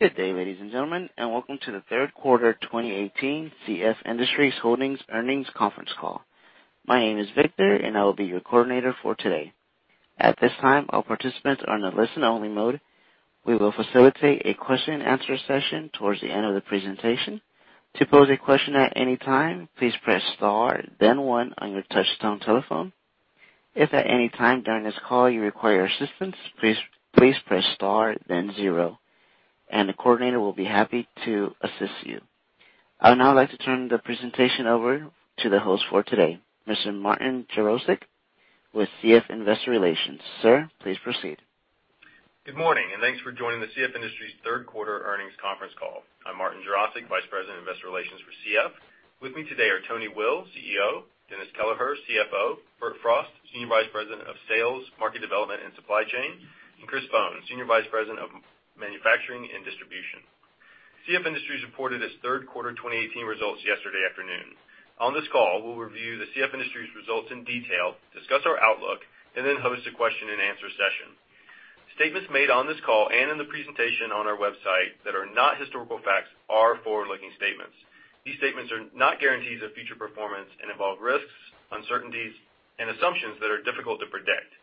Good day, ladies and gentlemen, and welcome to the third quarter 2018 CF Industries Holdings earnings conference call. My name is Victor and I will be your coordinator for today. At this time, all participants are on a listen only mode. We will facilitate a question and answer session towards the end of the presentation. To pose a question at any time, please press star then one on your touchtone telephone. If at any time during this call you require assistance, please press star then zero and the coordinator will be happy to assist you. I would now like to turn the presentation over to the host for today, Mr. Martin Jarosick with CF Investor Relations. Sir, please proceed. Good morning, thanks for joining the CF Industries third quarter earnings conference call. I'm Martin Jarosick, Vice President, Investor Relations for CF. With me today are Tony Will, CEO, Dennis Kelleher, CFO, Bert Frost, Senior Vice President of Sales, Market Development and Supply Chain, and Chris Bohn, Senior Vice President of Manufacturing and Distribution. CF Industries reported its third quarter 2018 results yesterday afternoon. On this call, we'll review the CF Industries results in detail, discuss our outlook, and then host a question and answer session. Statements made on this call and in the presentation on our website that are not historical facts are forward-looking statements. These statements are not guarantees of future performance and involve risks, uncertainties, and assumptions that are difficult to predict.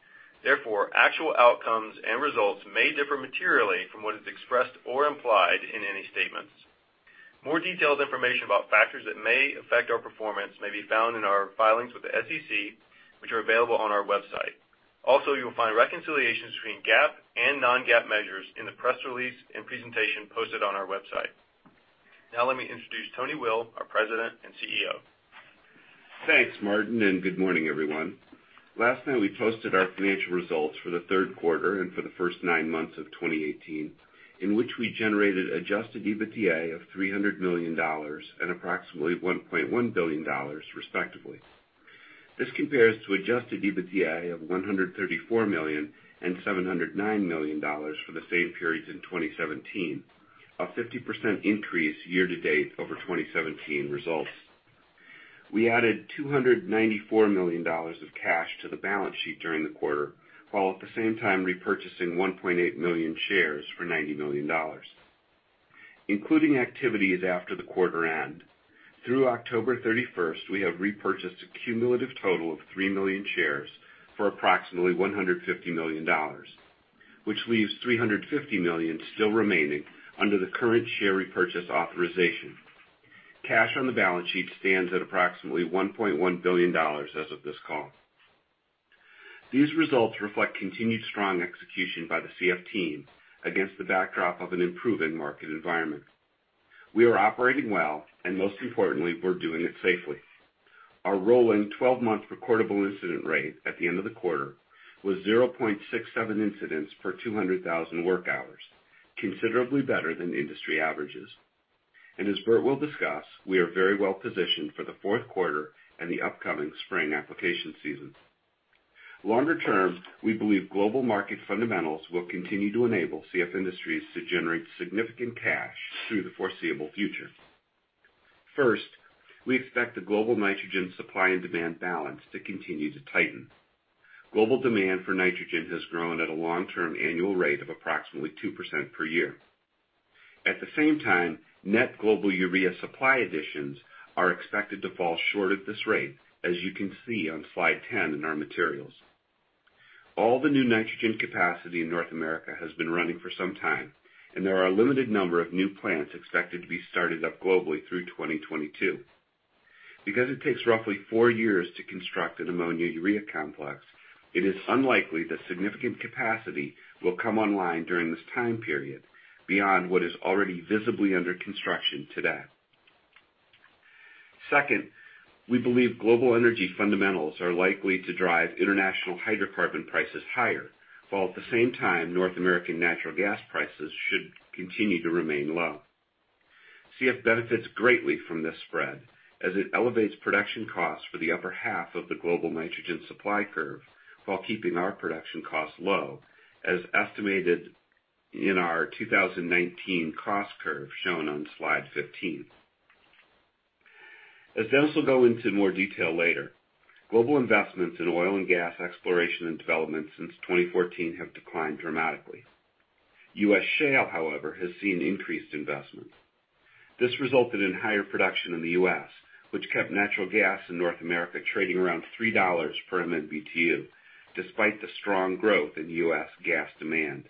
Therefore, actual outcomes and results may differ materially from what is expressed or implied in any statements. More detailed information about factors that may affect our performance may be found in our filings with the SEC, which are available on our website. Also, you will find reconciliations between GAAP and non-GAAP measures in the press release and presentation posted on our website. Let me introduce Tony Will, our President and CEO. Thanks, Martin, good morning, everyone. Last night we posted our financial results for the third quarter and for the first nine months of 2018, in which we generated adjusted EBITDA of $300 million and approximately $1.1 billion respectively. This compares to adjusted EBITDA of $134 million and $709 million for the same periods in 2017, a 50% increase year-to-date over 2017 results. We added $294 million of cash to the balance sheet during the quarter, while at the same time repurchasing 1.8 million shares for $90 million. Including activities after the quarter end, through October 31st, we have repurchased a cumulative total of 3 million shares for approximately $150 million, which leaves $350 million still remaining under the current share repurchase authorization. Cash on the balance sheet stands at approximately $1.1 billion as of this call. These results reflect continued strong execution by the CF team against the backdrop of an improving market environment. We are operating well and most importantly, we're doing it safely. Our rolling 12-month recordable incident rate at the end of the quarter was 0.67 incidents per 200,000 work hours, considerably better than industry averages. As Bert will discuss, we are very well positioned for the fourth quarter and the upcoming spring application season. Longer term, we believe global market fundamentals will continue to enable CF Industries to generate significant cash through the foreseeable future. First, we expect the global nitrogen supply and demand balance to continue to tighten. Global demand for nitrogen has grown at a long-term annual rate of approximately 2% per year. At the same time, net global urea supply additions are expected to fall short at this rate, as you can see on slide 10 in our materials. All the new nitrogen capacity in North America has been running for some time, and there are a limited number of new plants expected to be started up globally through 2022. Because it takes roughly four years to construct an ammonia urea complex, it is unlikely that significant capacity will come online during this time period beyond what is already visibly under construction today. Second, we believe global energy fundamentals are likely to drive international hydrocarbon prices higher, while at the same time North American natural gas prices should continue to remain low. CF benefits greatly from this spread as it elevates production costs for the upper half of the global nitrogen supply curve while keeping our production costs low, as estimated in our 2019 cost curve shown on slide 15. As Dennis will go into more detail later, global investments in oil and gas exploration and development since 2014 have declined dramatically. U.S. shale, however, has seen increased investments. This resulted in higher production in the U.S., which kept natural gas in North America trading around $3 per MMBtu, despite the strong growth in U.S. gas demand.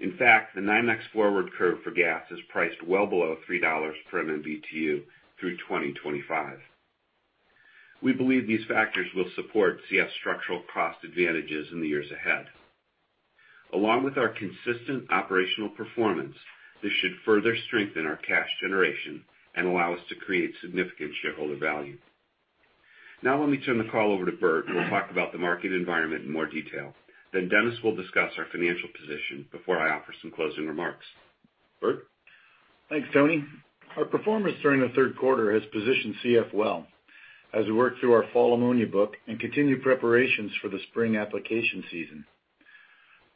In fact, the NYMEX forward curve for gas is priced well below $3 per MMBtu through 2025. We believe these factors will support CF's structural cost advantages in the years ahead. Along with our consistent operational performance, this should further strengthen our cash generation and allow us to create significant shareholder value. Let me turn the call over to Bert, who will talk about the market environment in more detail. Dennis will discuss our financial position before I offer some closing remarks. Bert? Thanks, Tony. Our performance during the third quarter has positioned CF well as we work through our fall ammonia book and continue preparations for the spring application season.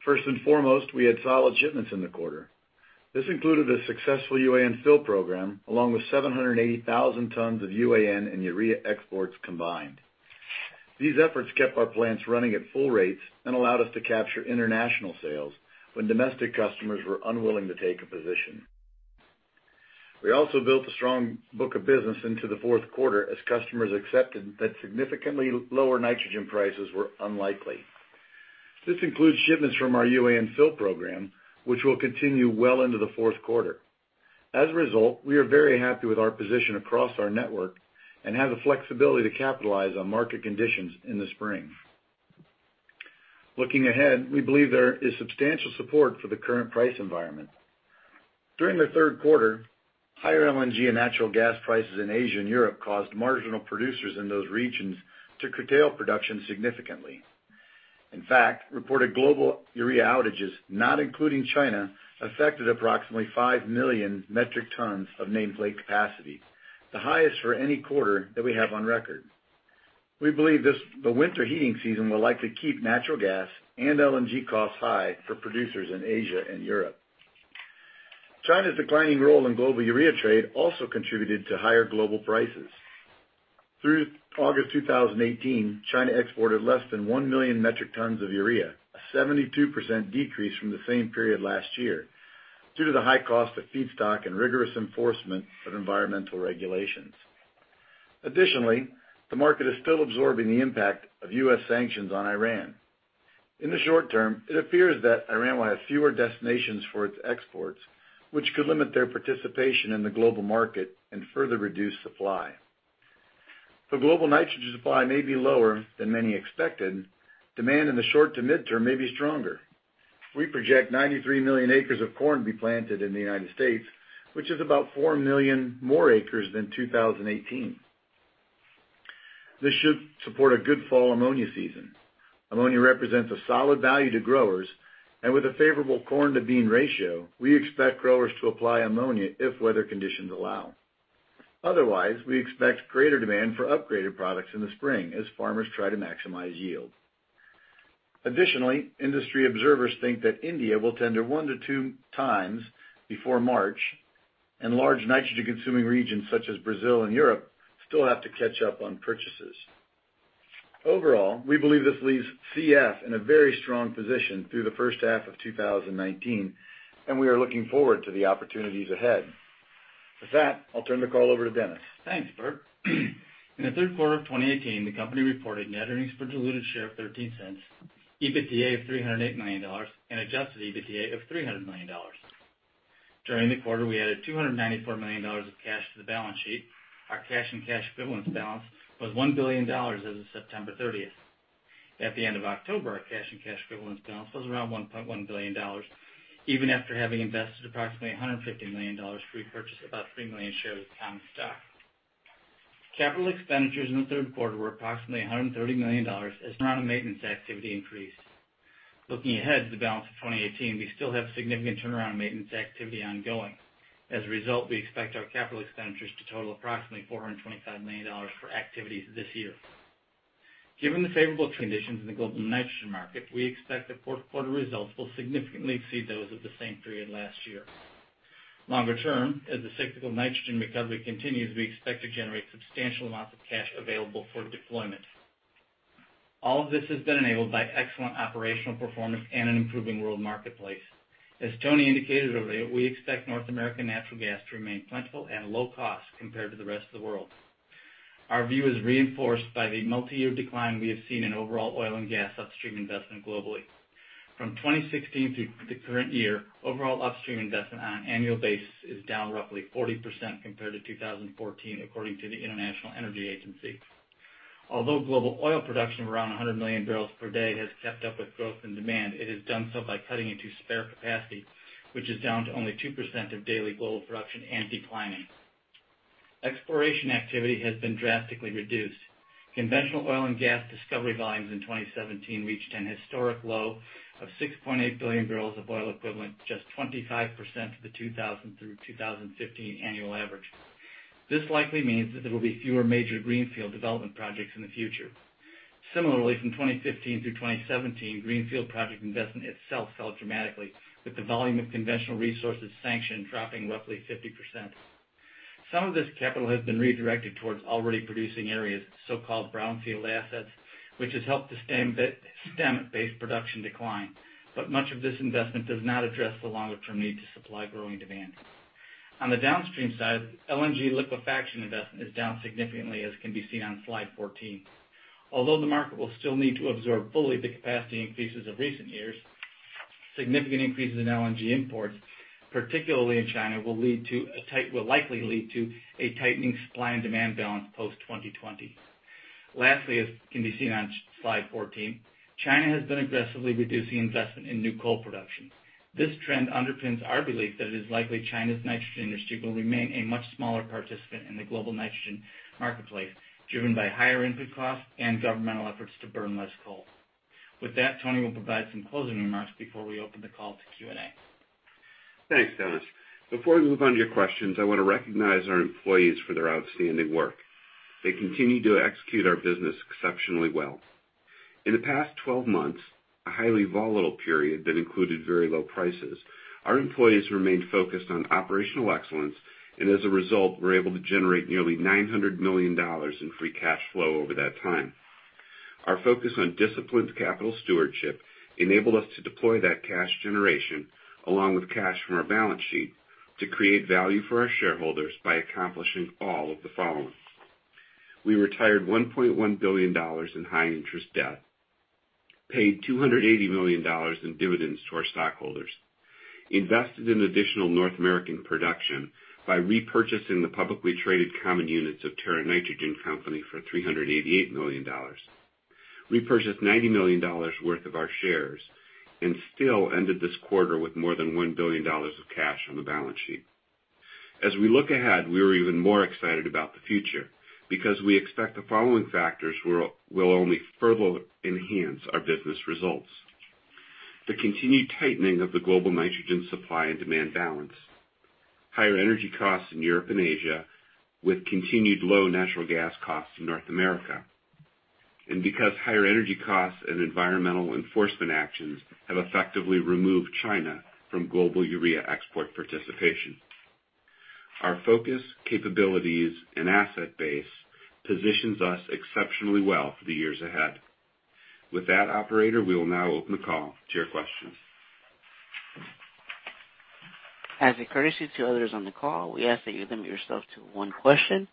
First and foremost, we had solid shipments in the quarter. This included a successful UAN fill program along with 780,000 tons of UAN and urea exports combined. These efforts kept our plants running at full rates and allowed us to capture international sales when domestic customers were unwilling to take a position. We also built a strong book of business into the fourth quarter as customers accepted that significantly lower nitrogen prices were unlikely. This includes shipments from our UAN fill program, which will continue well into the fourth quarter. As a result, we are very happy with our position across our network and have the flexibility to capitalize on market conditions in the spring. Looking ahead, we believe there is substantial support for the current price environment. During the third quarter, higher LNG and natural gas prices in Asia and Europe caused marginal producers in those regions to curtail production significantly. In fact, reported global urea outages, not including China, affected approximately 5 million metric tons of nameplate capacity, the highest for any quarter that we have on record. We believe the winter heating season will likely keep natural gas and LNG costs high for producers in Asia and Europe. China's declining role in global urea trade also contributed to higher global prices. Through August 2018, China exported less than 1 million metric tons of urea, a 72% decrease from the same period last year, due to the high cost of feedstock and rigorous enforcement of environmental regulations. Additionally, the market is still absorbing the impact of U.S. sanctions on Iran. In the short term, it appears that Iran will have fewer destinations for its exports, which could limit their participation in the global market and further reduce supply. The global nitrogen supply may be lower than many expected. Demand in the short to mid-term may be stronger. We project 93 million acres of corn to be planted in the United States, which is about 4 million more acres than 2018. This should support a good fall ammonia season. Ammonia represents a solid value to growers, and with a favorable corn-to-bean ratio, we expect growers to apply ammonia if weather conditions allow. Otherwise, we expect greater demand for upgraded products in the spring as farmers try to maximize yield. Additionally, industry observers think that India will tender one to two times before March, and large nitrogen-consuming regions such as Brazil and Europe still have to catch up on purchases. Overall, we believe this leaves CF in a very strong position through the first half of 2019, and we are looking forward to the opportunities ahead. With that, I'll turn the call over to Dennis. Thanks, Bert. In the third quarter of 2018, the company reported net earnings per diluted share of $0.13, EBITDA of $308 million, and adjusted EBITDA of $300 million. During the quarter, we added $294 million of cash to the balance sheet. Our cash and cash equivalents balance was $1 billion as of September 30th. At the end of October, our cash and cash equivalents balance was around $1.1 billion, even after having invested approximately $150 million to repurchase about 3 million shares of common stock. Capital expenditures in the third quarter were approximately $130 million as turnaround maintenance activity increased. Looking ahead to the balance of 2018, we still have significant turnaround maintenance activity ongoing. As a result, we expect our capital expenditures to total approximately $425 million for activities this year. Given the favorable conditions in the global nitrogen market, we expect that fourth quarter results will significantly exceed those of the same period last year. Longer term, as the cyclical nitrogen recovery continues, we expect to generate substantial amounts of cash available for deployment. All of this has been enabled by excellent operational performance and an improving world marketplace. As Tony indicated earlier, we expect North American natural gas to remain plentiful and low cost compared to the rest of the world. Our view is reinforced by the multi-year decline we have seen in overall oil and gas upstream investment globally. From 2016 through the current year, overall upstream investment on an annual basis is down roughly 40% compared to 2014 according to the International Energy Agency. Although global oil production of around 100 million barrels per day has kept up with growth and demand, it has done so by cutting into spare capacity, which is down to only 2% of daily global production and declining. Exploration activity has been drastically reduced. Conventional oil and gas discovery volumes in 2017 reached an historic low of 6.8 billion barrels of oil equivalent, just 25% of the 2000 through 2015 annual average. This likely means that there will be fewer major greenfield development projects in the future. Similarly, from 2015 through 2017, greenfield project investment itself fell dramatically, with the volume of conventional resources sanctioned dropping roughly 50%. Some of this capital has been redirected towards already producing areas, so-called brownfield assets, which has helped to stem base production decline. Much of this investment does not address the longer-term need to supply growing demand. On the downstream side, LNG liquefaction investment is down significantly, as can be seen on slide 14. Although the market will still need to absorb fully the capacity increases of recent years, significant increases in LNG imports, particularly in China, will likely lead to a tightening supply and demand balance post-2020. Lastly, as can be seen on slide 14, China has been aggressively reducing investment in new coal production. This trend underpins our belief that it is likely China's nitrogen industry will remain a much smaller participant in the global nitrogen marketplace, driven by higher input costs and governmental efforts to burn less coal. With that, Tony will provide some closing remarks before we open the call to Q&A. Thanks, Dennis. Before we move on to your questions, I want to recognize our employees for their outstanding work. They continue to execute our business exceptionally well. In the past 12 months, a highly volatile period that included very low prices, our employees remained focused on operational excellence, and as a result, were able to generate nearly $900 million in free cash flow over that time. Our focus on disciplined capital stewardship enabled us to deploy that cash generation, along with cash from our balance sheet to create value for our shareholders by accomplishing all of the following. We retired $1.1 billion in high interest debt, paid $280 million in dividends to our stockholders, invested in additional North American production by repurchasing the publicly traded common units of Terra Nitrogen Company for $388 million. Repurchased $90 million worth of our shares and still ended this quarter with more than $1 billion of cash on the balance sheet. As we look ahead, we are even more excited about the future because we expect the following factors will only further enhance our business results. The continued tightening of the global nitrogen supply and demand balance, higher energy costs in Europe and Asia, with continued low natural gas costs in North America, and because higher energy costs and environmental enforcement actions have effectively removed China from global urea export participation. Our focus, capabilities, and asset base positions us exceptionally well for the years ahead. With that operator, we will now open the call to your questions. As a courtesy to others on the call, we ask that you limit yourself to one question.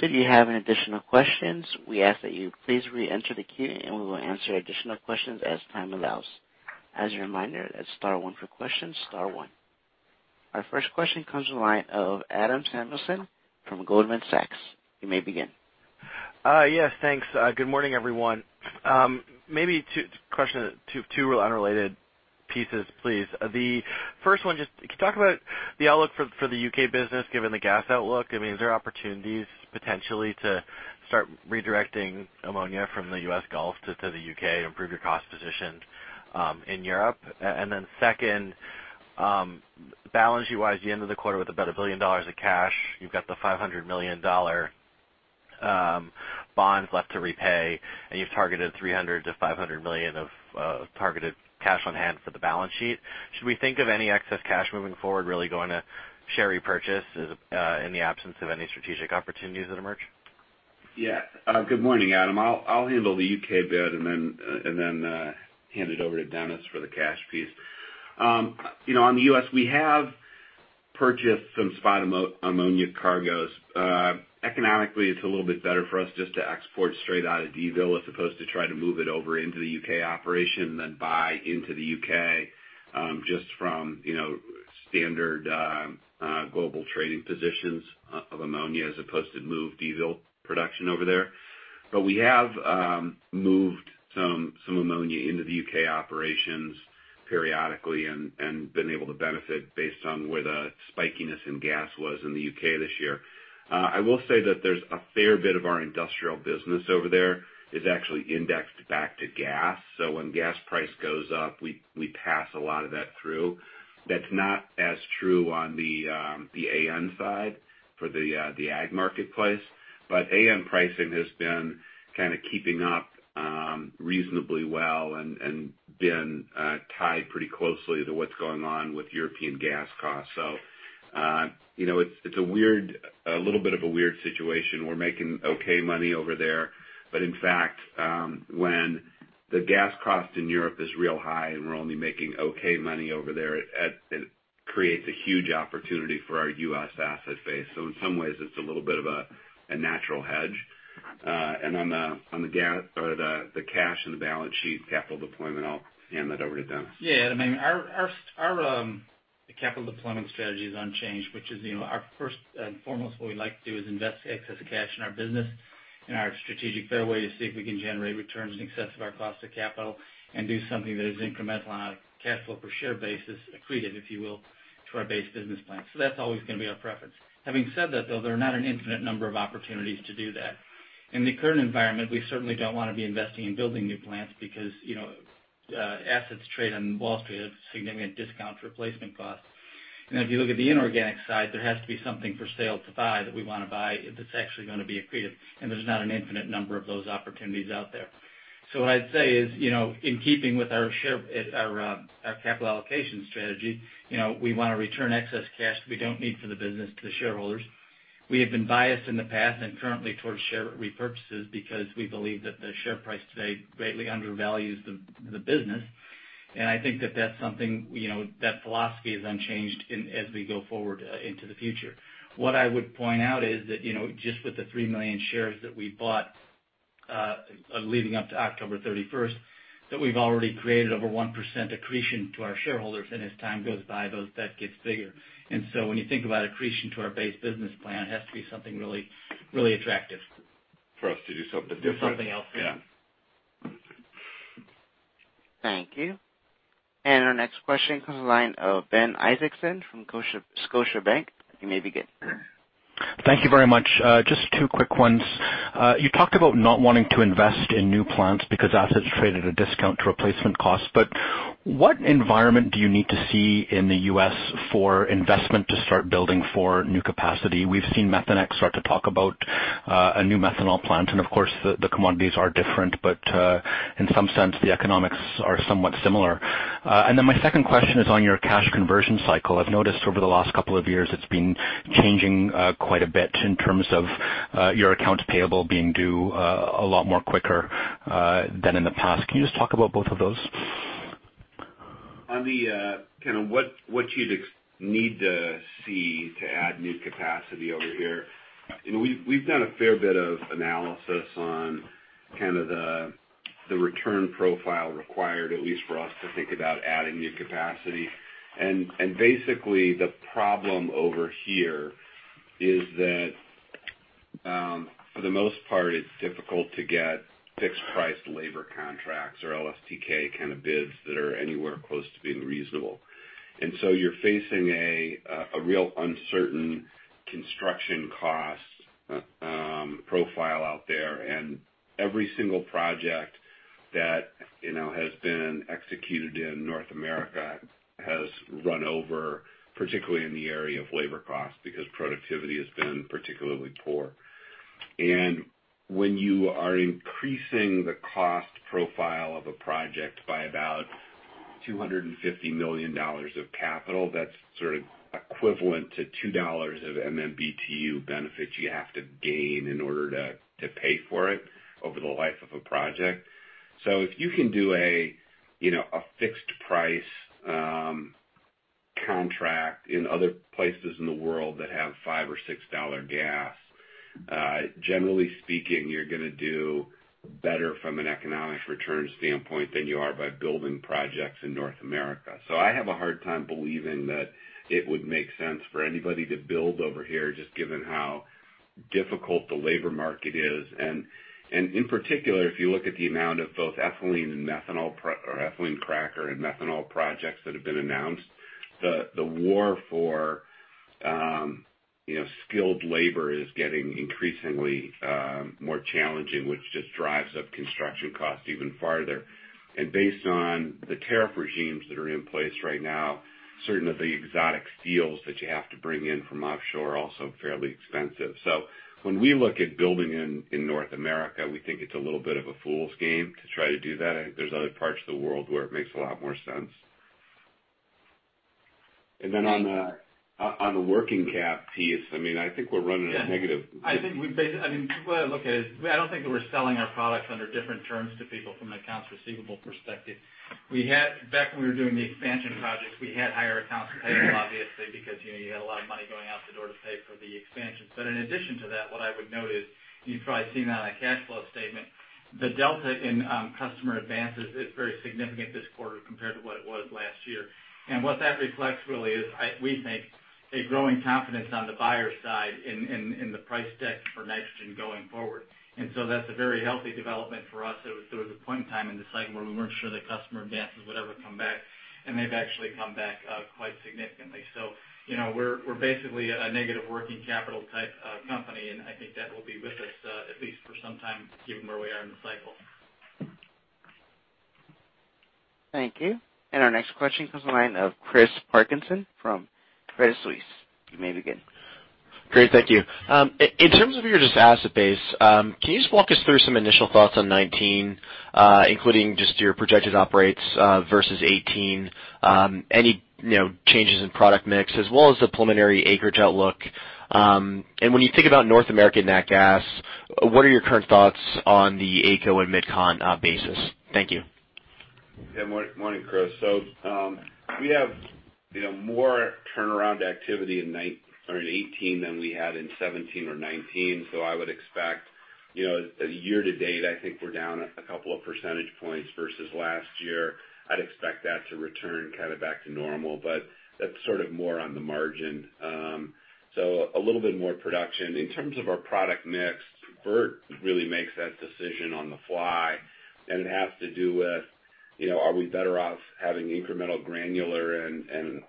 Should you have any additional questions, we ask that you please reenter the queue, and we will answer additional questions as time allows. As a reminder, that's star one for questions. Star one. Our first question comes from the line of Adam Samuelson from Goldman Sachs. You may begin. Yes, thanks. Good morning, everyone. Maybe two unrelated pieces, please. The first one, can you talk about the outlook for the U.K. business given the gas outlook? Is there opportunities potentially to start redirecting ammonia from the U.S. Gulf to the U.K. to improve your cost position in Europe? Second, balance sheet-wise, the end of the quarter with about $1 billion of cash. You've got the $500 million bonds left to repay, and you've targeted $300 million-$500 million of targeted cash on hand for the balance sheet. Should we think of any excess cash moving forward really going to share repurchase in the absence of any strategic opportunities that emerge? Yeah. Good morning, Adam. I'll handle the U.K. bit and then hand it over to Dennis for the cash piece. On the U.S., we have purchased some spot ammonia cargoes. Economically, it's a little bit better for us to export straight out of Donaldsonville as opposed to try to move it over into the U.K. operation than buy into the U.K., just from standard global trading positions of ammonia as opposed to move Donaldsonville production over there. But we have moved some ammonia into the U.K. operations periodically and been able to benefit based on where the spikiness in gas was in the U.K. this year. I will say that there's a fair bit of our industrial business over there is actually indexed back to gas. When gas price goes up, we pass a lot of that through. That's not as true on the AN side for the ag marketplace. AN pricing has been kind of keeping up reasonably well and been tied pretty closely to what's going on with European gas costs. It's a little bit of a weird situation. We're making okay money over there, but in fact, when the gas cost in Europe is real high and we're only making okay money over there, it creates a huge opportunity for our U.S. asset base. In some ways it's a little bit of a natural hedge. On the cash and the balance sheet capital deployment, I'll hand that over to Dennis. Yeah. Our capital deployment strategy is unchanged, which is our first and foremost what we like to do is invest excess cash in our business in our strategic fairway to see if we can generate returns in excess of our cost of capital and do something that is incremental on a cash flow per share basis accreted, if you will, to our base business plan. That's always going to be our preference. Having said that, though, there are not an infinite number of opportunities to do that. In the current environment, we certainly don't want to be investing in building new plants because assets trade on Wall Street at significant discounts replacement cost. If you look at the inorganic side, there has to be something for sale to buy that we want to buy that's actually going to be accretive. There's not an infinite number of those opportunities out there. What I'd say is in keeping with our capital allocation strategy, we want to return excess cash we don't need for the business to the shareholders. We have been biased in the past and currently towards share repurchases because we believe that the share price today greatly undervalues the business. I think that philosophy is unchanged as we go forward into the future. What I would point out is that just with the 3 million shares that we bought leading up to October 31st, that we've already created over 1% accretion to our shareholders. As time goes by, that gets bigger. When you think about accretion to our base business plan, it has to be something really attractive. For us to do something different. Do something else. Yeah. Thank you. Our next question comes the line of Ben Isaacson from Scotiabank. You may begin. Thank you very much. Just two quick ones. You talked about not wanting to invest in new plants because assets trade at a discount to replacement cost. What environment do you need to see in the U.S. for investment to start building for new capacity? We've seen Methanex start to talk about a new methanol plant, and of course, the commodities are different, but in some sense, the economics are somewhat similar. Then my second question is on your cash conversion cycle. I've noticed over the last couple of years it's been changing quite a bit in terms of your accounts payable being due a lot more quicker than in the past. Can you just talk about both of those? On the what you'd need to see to add new capacity over here. We've done a fair bit of analysis on the return profile required, at least for us to think about adding new capacity. Basically, the problem over here is that for the most part, it's difficult to get fixed price labor contracts or LSTK kind of bids that are anywhere close to being reasonable. So you're facing a real uncertain construction cost profile out there. Every single project that has been executed in North America has run over, particularly in the area of labor cost, because productivity has been particularly poor. When you are increasing the cost profile of a project by about $250 million of capital, that's sort of equivalent to $2 of MMBtu benefits you have to gain in order to pay for it over the life of a project. If you can do a fixed price contract in other places in the world that have $5 or $6 gas, generally speaking, you're going to do better from an economic return standpoint than you are by building projects in North America. I have a hard time believing that it would make sense for anybody to build over here, just given how difficult the labor market is. In particular, if you look at the amount of both ethylene cracker and methanol projects that have been announced, the war for skilled labor is getting increasingly more challenging, which just drives up construction costs even farther. Based on the tariff regimes that are in place right now, certain of the exotic steels that you have to bring in from offshore are also fairly expensive. When we look at building in North America, we think it's a little bit of a fool's game to try to do that. I think there's other parts of the world where it makes a lot more sense. Then on the working cap piece, I think we're running a negative- I think the way I look at it is, I don't think that we're selling our products under different terms to people from an accounts receivable perspective. Back when we were doing the expansion projects, we had higher accounts payable, obviously, because you had a lot of money going out the door to pay for the expansions. In addition to that, what I would note is you've probably seen that on a cash flow statement. The delta in customer advances is very significant this quarter compared to what it was last year. What that reflects really is, we think, a growing confidence on the buyer side in the price deck for nitrogen going forward. That's a very healthy development for us. There was a point in time in the cycle where we weren't sure that customer advances would ever come back, and they've actually come back quite significantly. We're basically a negative working capital type company, and I think that will be with us at least for some time, given where we are in the cycle. Thank you. Our next question comes from the line of Chris Parkinson from Credit Suisse. You may begin. Great. Thank you. In terms of your just asset base, can you just walk us through some initial thoughts on 2019, including just your projected operating rates versus 2018? Any changes in product mix as well as the preliminary acreage outlook? When you think about North American nat gas, what are your current thoughts on the AECO and Mid-Con basis? Thank you. Yeah. Morning, Chris. We have more turnaround activity in 2018 than we had in 2017 or 2019. I would expect year to date, I think we're down a couple of percentage points versus last year. I'd expect that to return kind of back to normal, but that's sort of more on the margin. A little bit more production. In terms of our product mix, Bert really makes that decision on the fly, and it has to do with are we better off having incremental granular and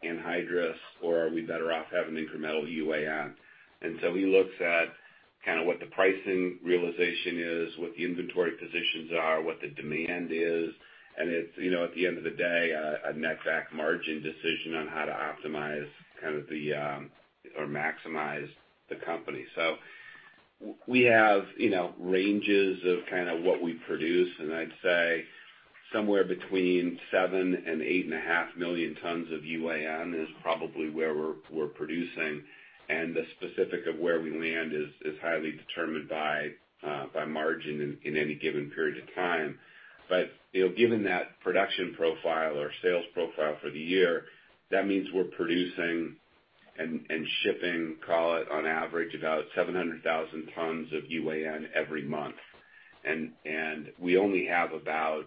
anhydrous, or are we better off having incremental UAN? He looks at kind of what the pricing realization is, what the inventory positions are, what the demand is, and it's, at the end of the day, a net back margin decision on how to optimize or maximize the company. We have ranges of what we produce, and I'd say somewhere between seven and 8.5 million tons of UAN is probably where we're producing. The specific of where we land is highly determined by margin in any given period of time. Given that production profile or sales profile for the year, that means we're producing and shipping, call it on average, about 700,000 tons of UAN every month. We only have about,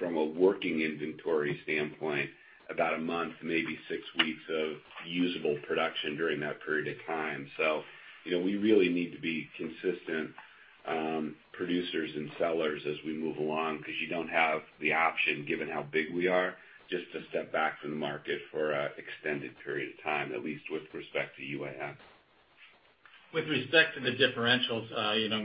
from a working inventory standpoint, about a month, maybe six weeks of usable production during that period of time. We really need to be consistent producers and sellers as we move along because you don't have the option, given how big we are, just to step back from the market for an extended period of time, at least with respect to UAN. With respect to the differentials,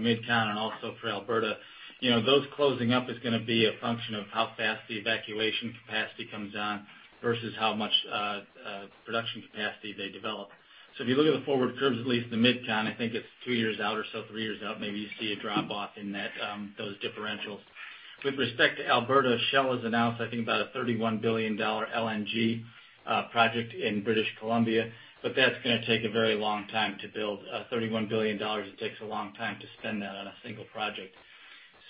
mid-continent and also for Alberta, those closing up is going to be a function of how fast the evacuation capacity comes on versus how much production capacity they develop. If you look at the forward curves, at least in the Mid-Con, I think it's two years out or so, three years out, maybe you see a drop off in those differentials. With respect to Alberta, Shell has announced, I think, about a $31 billion LNG project in British Columbia, that's going to take a very long time to build. $31 billion, it takes a long time to spend that on a single project.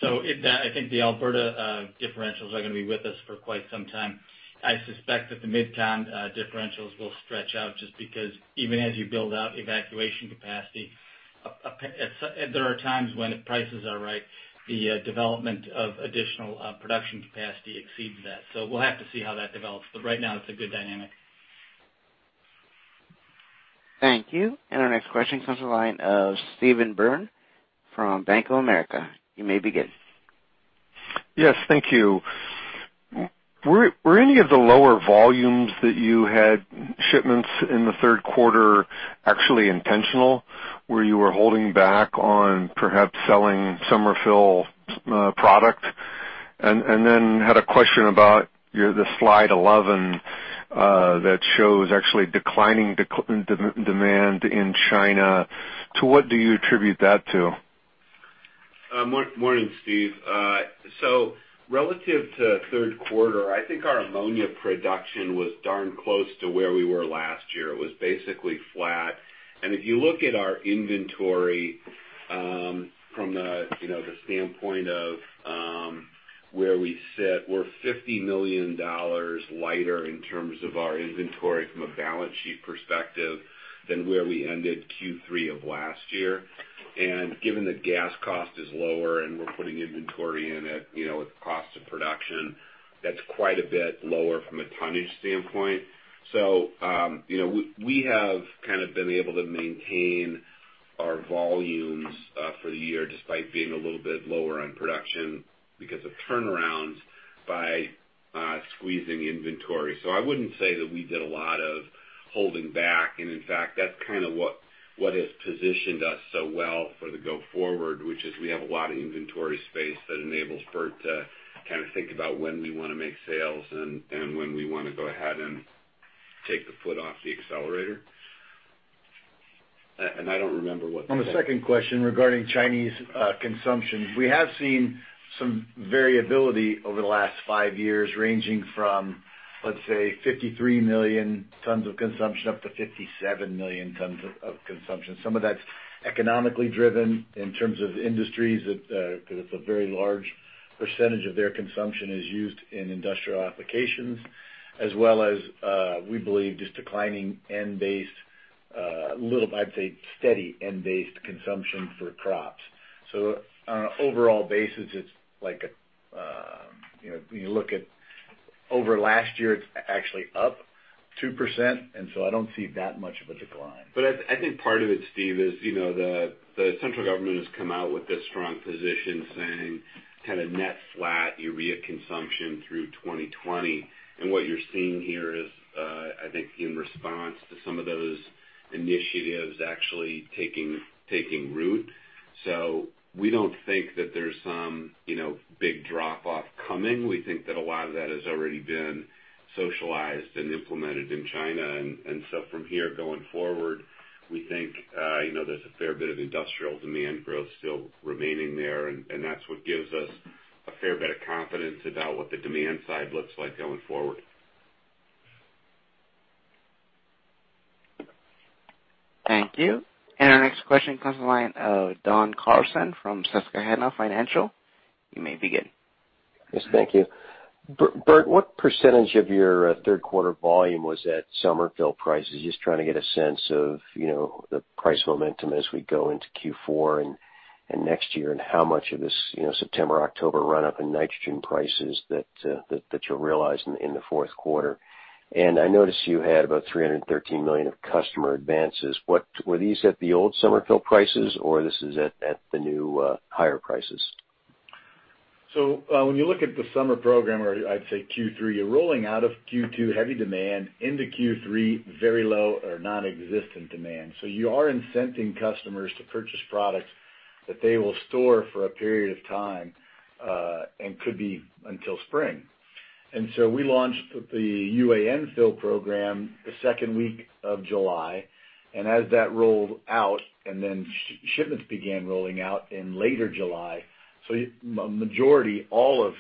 I think the Alberta differentials are going to be with us for quite some time. I suspect that the Mid-Con differentials will stretch out just because even as you build out evacuation capacity, there are times when if prices are right, the development of additional production capacity exceeds that. We'll have to see how that develops. Right now it's a good dynamic. Thank you. Our next question comes to the line of Steve Byrne from Bank of America. You may begin. Yes, thank you. Were any of the lower volumes that you had shipments in the third quarter actually intentional, where you were holding back on perhaps selling summer fill product? Then had a question about the slide 11 that shows actually declining demand in China. To what do you attribute that to? Morning, Steve Byrne. Relative to third quarter, I think our ammonia production was darn close to where we were last year. It was basically flat. If you look at our inventory from the standpoint of where we sit, we're $50 million lighter in terms of our inventory from a balance sheet perspective than where we ended Q3 of last year. Given that gas cost is lower and we're putting inventory in at cost of production, that's quite a bit lower from a tonnage standpoint. We have kind of been able to maintain our volumes for the year, despite being a little bit lower on production because of turnarounds by squeezing inventory. I wouldn't say that we did a lot of holding back. In fact, that's kind of what has positioned us so well for the go forward, which is we have a lot of inventory space that enables Bert to think about when we want to make sales and when we want to go ahead and take the foot off the accelerator. On the second question regarding Chinese consumption, we have seen some variability over the last five years, ranging from, let's say, 53 million tons of consumption up to 57 million tons of consumption. Some of that's economically driven in terms of industries, because it's a very large percentage of their consumption is used in industrial applications as well as we believe just declining N-based, I'd say steady N-based consumption for crops. On an overall basis, when you look at over last year, it's actually up 2%. I don't see that much of a decline. I think part of it, Steve, is the central government has come out with this strong position saying kind of net flat urea consumption through 2020. What you're seeing here is I think in response to some of those initiatives actually taking root. We don't think that there's some big drop off coming. We think that a lot of that has already been socialized and implemented in China. From here going forward, we think there's a fair bit of industrial demand growth still remaining there, and that's what gives us a fair bit of confidence about what the demand side looks like going forward. Thank you. Our next question comes the line of Don Carson from Susquehanna Financial Group. You may begin. Yes. Thank you. Bert, what percentage of your third quarter volume was at summer fill prices? Just trying to get a sense of the price momentum as we go into Q4 and next year, and how much of this September, October run up in nitrogen prices that you'll realize in the fourth quarter. I noticed you had about $313 million of customer advances. Were these at the old summer fill prices, or this is at the new higher prices? When you look at the summer program, or I'd say Q3, you're rolling out of Q2 heavy demand into Q3 very low or nonexistent demand. You are incenting customers to purchase products that they will store for a period of time and could be until spring. We launched the UAN fill program the second week of July, and as that rolled out, and then shipments began rolling out in later July. A majority, all of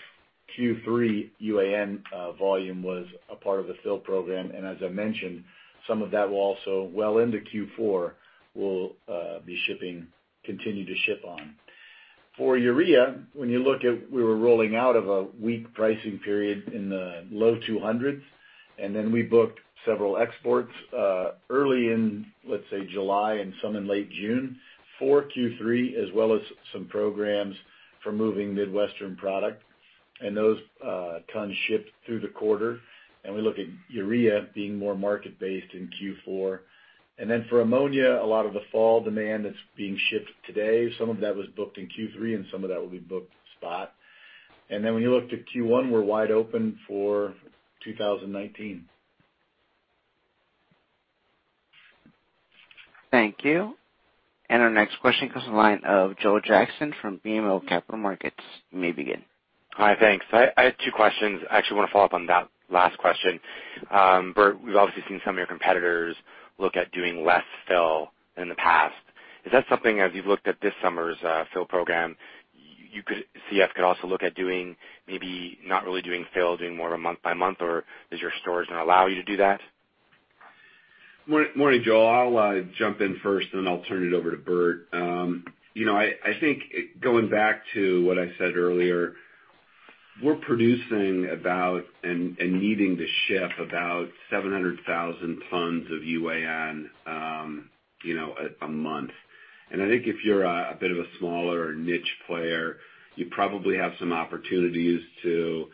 Q3 UAN volume was a part of the fill program. As I mentioned, some of that will also well into Q4 we'll continue to ship on. For urea, when you look at we were rolling out of a weak pricing period in the low $200s, we booked several exports early in, let's say, July and some in late June for Q3, as well as some programs for moving Midwestern product. Those tons shipped through the quarter. We look at urea being more market based in Q4. For ammonia, a lot of the fall demand that's being shipped today, some of that was booked in Q3 and some of that will be booked spot. When you look to Q1, we're wide open for 2019. Thank you. Our next question comes from the line of Joel Jackson from BMO Capital Markets. You may begin. Hi, thanks. I have two questions. I actually want to follow up on that last question. Bert, we've obviously seen some of your competitors look at doing less fill than in the past. Is that something, as you've looked at this summer's fill program, CF could also look at maybe not really doing fill, doing more of a month by month, or does your storage not allow you to do that? Morning, Joel. I'll jump in first, then I'll turn it over to Bert. I think going back to what I said earlier, we're producing about and needing to ship about 700,000 tons of UAN a month. I think if you're a bit of a smaller niche player, you probably have some opportunities to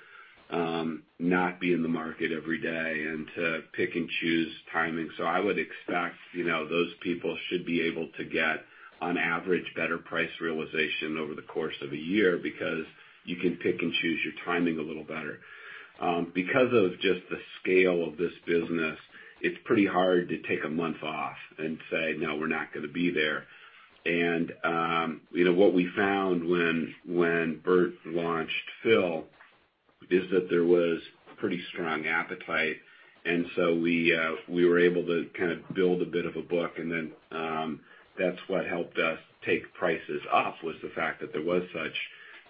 not be in the market every day and to pick and choose timing. I would expect those people should be able to get, on average, better price realization over the course of a year because you can pick and choose your timing a little better. Because of just the scale of this business, it's pretty hard to take a month off and say, "No, we're not going to be there." What we found when Bert launched Fill is that there was pretty strong appetite. We were able to build a bit of a book, then that's what helped us take prices up, was the fact that there was such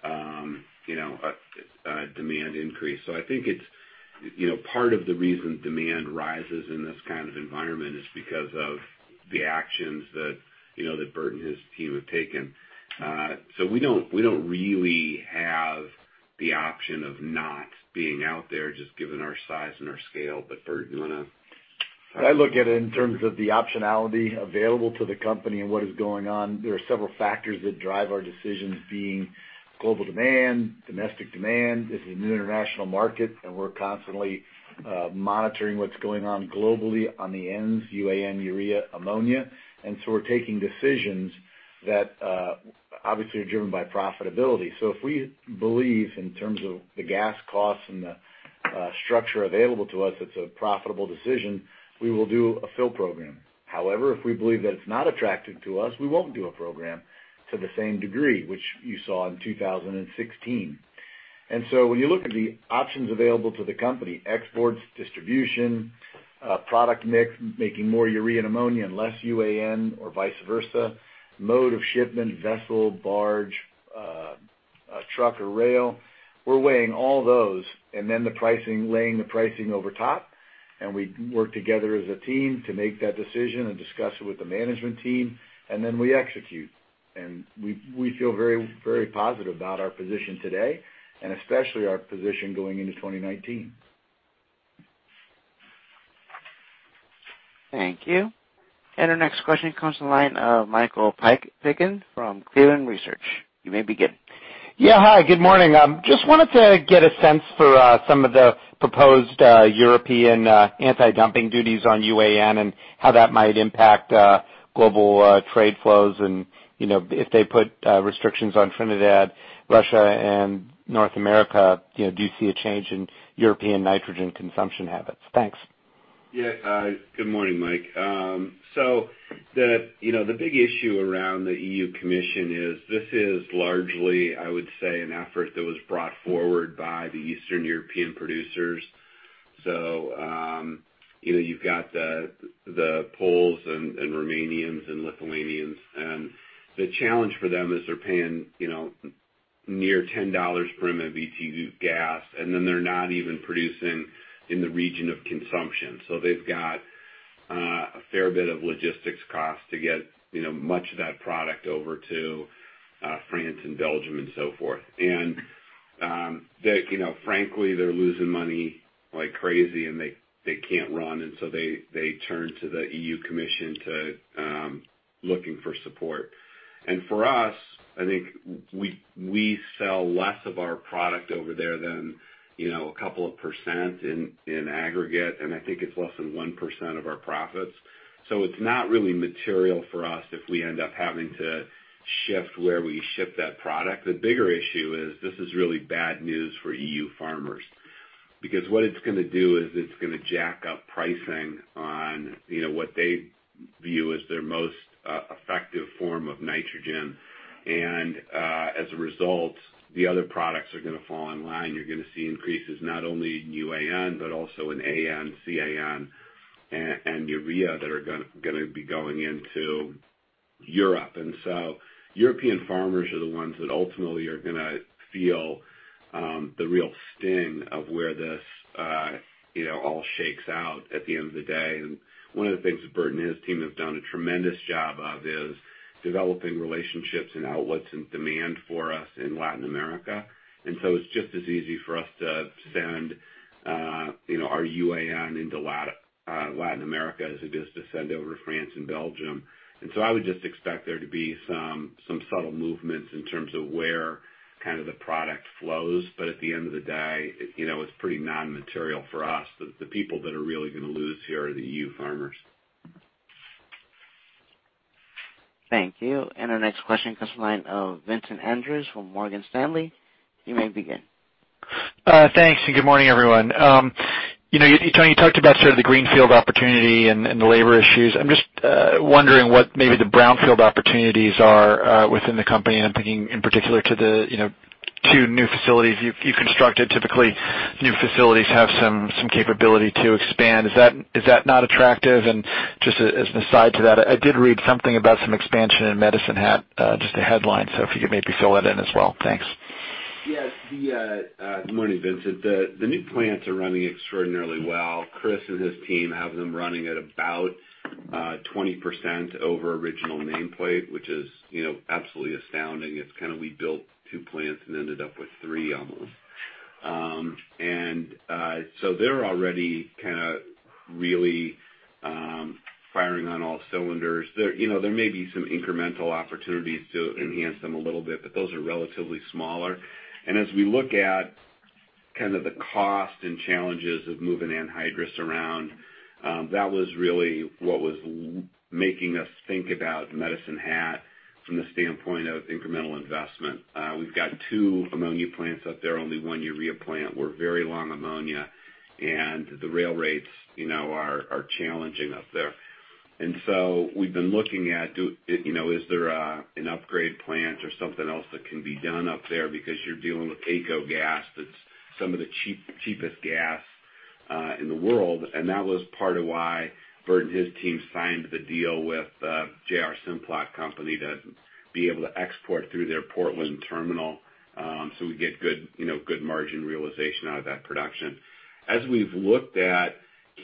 a demand increase. I think part of the reason demand rises in this kind of environment is because of the actions that Bert and his team have taken. We don't really have the option of not being out there, just given our size and our scale. Bert, do you want to? I look at it in terms of the optionality available to the company and what is going on. There are several factors that drive our decisions being global demand, domestic demand. This is a new international market, and we're constantly monitoring what's going on globally on the N's, UAN, urea, ammonia. We're taking decisions that obviously are driven by profitability. If we believe in terms of the gas costs and the structure available to us, it's a profitable decision, we will do a Fill program. However, if we believe that it's not attractive to us, we won't do a program to the same degree, which you saw in 2016. When you look at the options available to the company, exports, distribution, product mix, making more urea and ammonia and less UAN or vice versa, mode of shipment, vessel, barge, truck, or rail, we're weighing all those, then laying the pricing over top, and we work together as a team to make that decision and discuss it with the management team, then we execute. We feel very positive about our position today, especially our position going into 2019. Thank you. Our next question comes from the line of Michael Piken from Cleveland Research. You may begin. Yeah, hi, good morning. Just wanted to get a sense for some of the proposed European anti-dumping duties on UAN and how that might impact global trade flows. If they put restrictions on Trinidad, Russia, and North America, do you see a change in European nitrogen consumption habits? Thanks. Yeah. Good morning, Mike. The big issue around the European Commission is this is largely, I would say, an effort that was brought forward by the Eastern European producers. You've got the Poles and Romanians and Lithuanians. The challenge for them is they're paying near $10 per MMBtu gas, and then they're not even producing in the region of consumption. They've got a fair bit of logistics cost to get much of that product over to France and Belgium and so forth. Frankly, they're losing money like crazy and they can't run, and so they turn to the European Commission looking for support. For us, I think we sell less of our product over there than two percent in aggregate, and I think it's less than 1% of our profits. It's not really material for us if we end up having to shift where we ship that product. The bigger issue is this is really bad news for EU farmers, because what it's going to do is it's going to jack up pricing on what they view as their most effective form of nitrogen. As a result, the other products are going to fall in line. You're going to see increases not only in UAN, but also in AN, CAN, and urea that are going to be going into Europe. European farmers are the ones that ultimately are going to feel the real sting of where this all shakes out at the end of the day. One of the things that Bert and his team have done a tremendous job of is developing relationships and outlets and demand for us in Latin America. It's just as easy for us to send our UAN into Latin America as it is to send over to France and Belgium. I would just expect there to be some subtle movements in terms of where the product flows. At the end of the day, it's pretty non-material for us. The people that are really going to lose here are the EU farmers. Thank you. Our next question comes from the line of Vincent Andrews from Morgan Stanley. You may begin. Thanks, good morning, everyone. Tony, you talked about sort of the greenfield opportunity and the labor issues. I'm just wondering what maybe the brownfield opportunities are within the company. I'm thinking in particular to the two new facilities you've constructed. Typically, new facilities have some capability to expand. Is that not attractive? Just as an aside to that, I did read something about some expansion in Medicine Hat, just a headline. If you could maybe fill that in as well. Thanks. Yes. Good morning, Vincent. The new plants are running extraordinarily well. Chris and his team have them running at about 20% over original nameplate, which is absolutely astounding. It's kind of we built two plants and ended up with three almost. They're already kind of really firing on all cylinders. There may be some incremental opportunities to enhance them a little bit, but those are relatively smaller. As we look at kind of the cost and challenges of moving anhydrous around, that was really what was making us think about Medicine Hat from the standpoint of incremental investment. We've got two ammonia plants up there, only one urea plant. We're very long ammonia, and the rail rates are challenging up there. We've been looking at is there an upgrade plant or something else that can be done up there because you're dealing with AECO, that's some of the cheapest gas in the world. That was part of why Bert and his team signed the deal with J.R. Simplot Company to be able to export through their Portland terminal so we get good margin realization out of that production. As we've looked at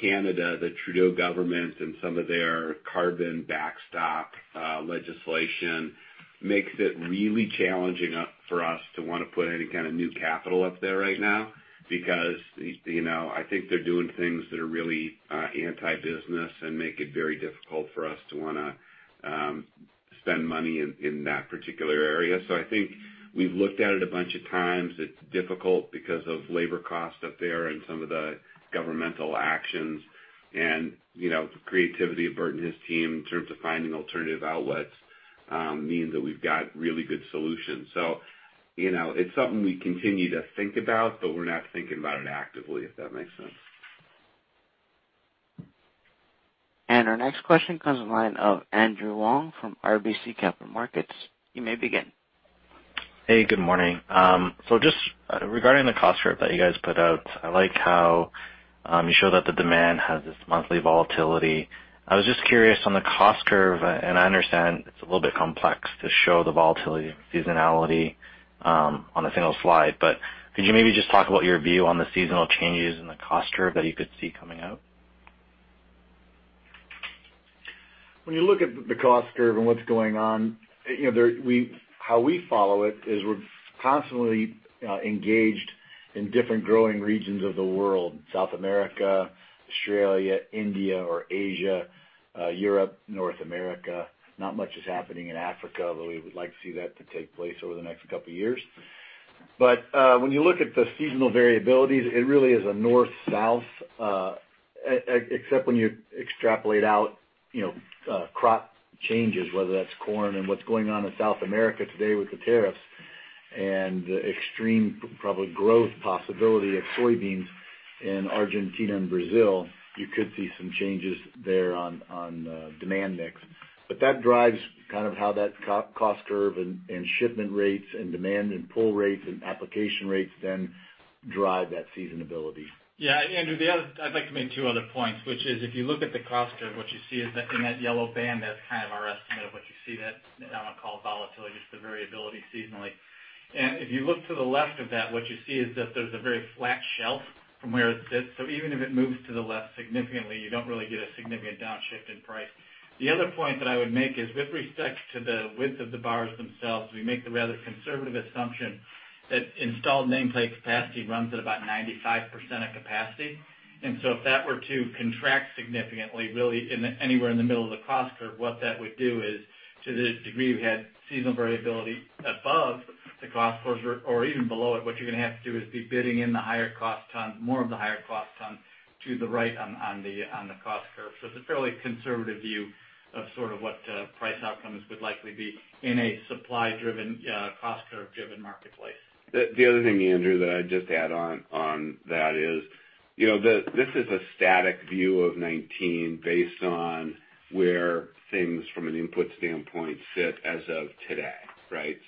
Canada, the Trudeau government and some of their carbon backstop legislation makes it really challenging for us to want to put any kind of new capital up there right now because I think they're doing things that are really anti-business and make it very difficult for us to want to spend money in that particular area. I think we've looked at it a bunch of times. It's difficult because of labor costs up there and some of the governmental actions and the creativity of Bert and his team in terms of finding alternative outlets means that we've got really good solutions. It's something we continue to think about, but we're not thinking about it actively, if that makes sense. Our next question comes from the line of Andrew Wong from RBC Capital Markets. You may begin. Hey, good morning. Just regarding the cost curve that you guys put out, I like how you show that the demand has this monthly volatility. I was just curious on the cost curve, and I understand it's a little bit complex to show the volatility, seasonality on a single slide. Could you maybe just talk about your view on the seasonal changes in the cost curve that you could see coming out? When you look at the cost curve and what's going on, how we follow it is we're constantly engaged in different growing regions of the world. South America, Australia, India or Asia, Europe, North America. Not much is happening in Africa, although we would like to see that to take place over the next couple of years. When you look at the seasonal variabilities, it really is a north-south, except when you extrapolate out crop changes, whether that's corn and what's going on in South America today with the tariffs and the extreme probably growth possibility of soybeans in Argentina and Brazil. You could see some changes there on demand mix. That drives kind of how that cost curve and shipment rates and demand and pull rates and application rates then drive that seasonality. Yeah. Andrew, I'd like to make two other points, which is if you look at the cost curve, what you see is that in that yellow band, that's kind of our estimate of what you see. That I won't call volatility, just the variability seasonally. If you look to the left of that, what you see is that there's a very flat shelf from where it sits. Even if it moves to the left significantly, you don't really get a significant downshift in price. The other point that I would make is with respect to the width of the bars themselves, we make the rather conservative assumption that installed nameplate capacity runs at about 95% of capacity. If that were to contract significantly, really anywhere in the middle of the cost curve, what that would do is to the degree we had seasonal variability above the cost curves or even below it, what you're going to have to do is be bidding in the higher cost tons, more of the higher cost tons to the right on the cost curve. It's a fairly conservative view of sort of what price outcomes would likely be in a supply driven, cost curve driven marketplace. The other thing, Andrew, that I'd just add on that is this is a static view of 2019 based on where things from an input standpoint sit as of today. Right?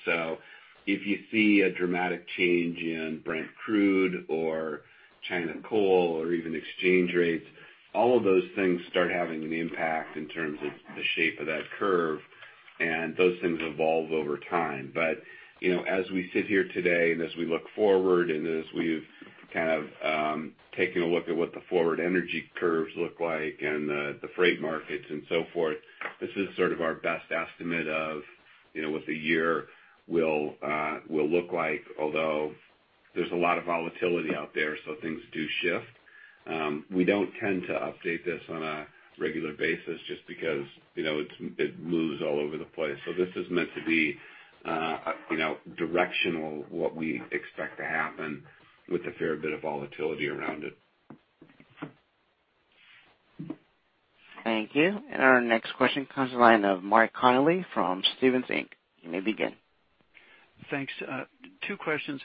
If you see a dramatic change in Brent crude or China coal or even exchange rates, all of those things start having an impact in terms of the shape of that curve. Those things evolve over time. As we sit here today and as we look forward and as we've kind of taken a look at what the forward energy curves look like and the freight markets and so forth, this is sort of our best estimate of what the year will look like. Although there's a lot of volatility out there, so things do shift. We don't tend to update this on a regular basis just because it moves all over the place. This is meant to be directional, what we expect to happen with a fair bit of volatility around it. Thank you. Our next question comes to the line of Mark Connelly from Stephens Inc. You may begin. Thanks. Two questions.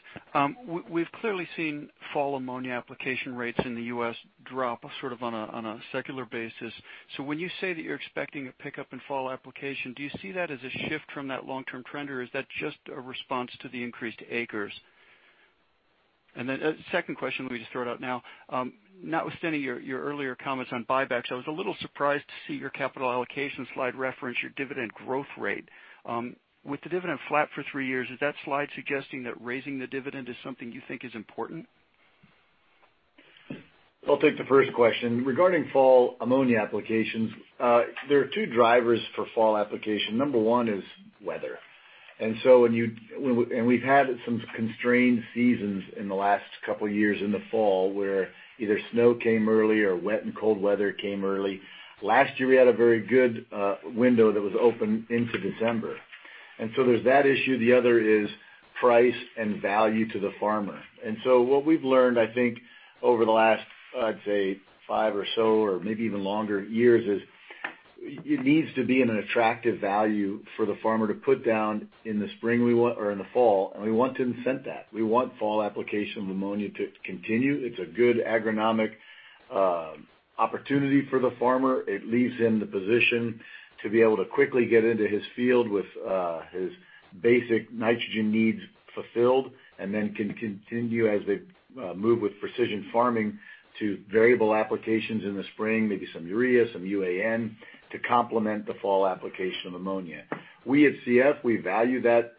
We've clearly seen fall ammonia application rates in the U.S. drop sort of on a secular basis. When you say that you're expecting a pickup in fall application, do you see that as a shift from that long-term trend, or is that just a response to the increased acres? A second question, let me just throw it out now. Notwithstanding your earlier comments on buybacks, I was a little surprised to see your capital allocation slide reference your dividend growth rate. With the dividend flat for three years, is that slide suggesting that raising the dividend is something you think is important? I'll take the first question. Regarding fall ammonia applications, there are two drivers for fall application. Number one is weather. We've had some constrained seasons in the last couple of years in the fall where either snow came early or wet and cold weather came early. Last year we had a very good window that was open into December. There's that issue. The other is price and value to the farmer. What we've learned, I think over the last, I'd say five or so or maybe even longer years, is it needs to be in an attractive value for the farmer to put down in the spring or in the fall, and we want to incent that. We want fall application of ammonia to continue. It's a good agronomic opportunity for the farmer. It leaves him the position to be able to quickly get into his field with his basic nitrogen needs fulfilled. Then can continue as they move with precision farming to variable applications in the spring, maybe some urea, some UAN to complement the fall application of ammonia. We at CF, we value that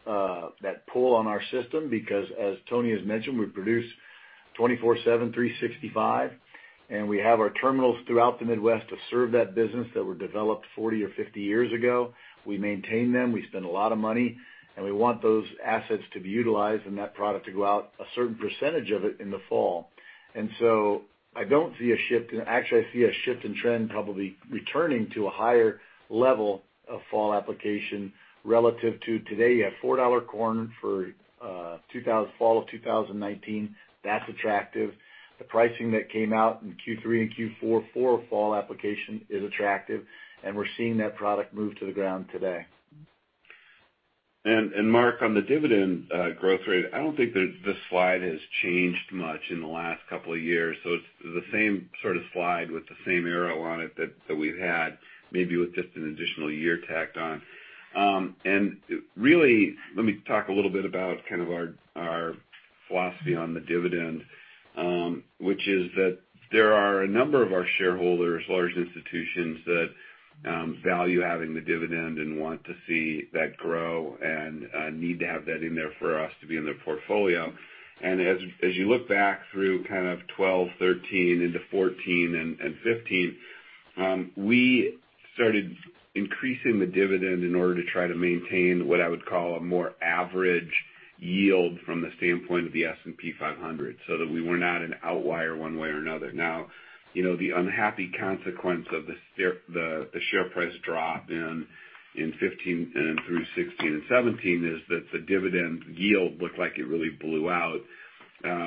pull on our system because, as Tony has mentioned, we produce 24/7, 365. We have our terminals throughout the Midwest to serve that business that were developed 40 or 50 years ago. We maintain them, we spend a lot of money. We want those assets to be utilized and that product to go out a certain percentage of it in the fall. I don't see a shift. Actually, I see a shift in trend probably returning to a higher level of fall application relative to today. You have $4 corn for fall of 2019. That's attractive. The pricing that came out in Q3 and Q4 for fall application is attractive. We're seeing that product move to the ground today. Mark, on the dividend growth rate, I don't think the slide has changed much in the last couple of years. It's the same sort of slide with the same arrow on it that we've had maybe with just an additional year tacked on. Really, let me talk a little bit about kind of our philosophy on the dividend, which is that there are a number of our shareholders, large institutions that value having the dividend and want to see that grow and need to have that in there for us to be in their portfolio. As you look back through kind of 2012, 2013 into 2014 and 2015, we started increasing the dividend in order to try to maintain what I would call a more average yield from the standpoint of the S&P 500, so that we were not an outlier one way or another. Now, the unhappy consequence of the share price drop in 2015 and through 2016 and 2017 is that the dividend yield looked like it really blew out,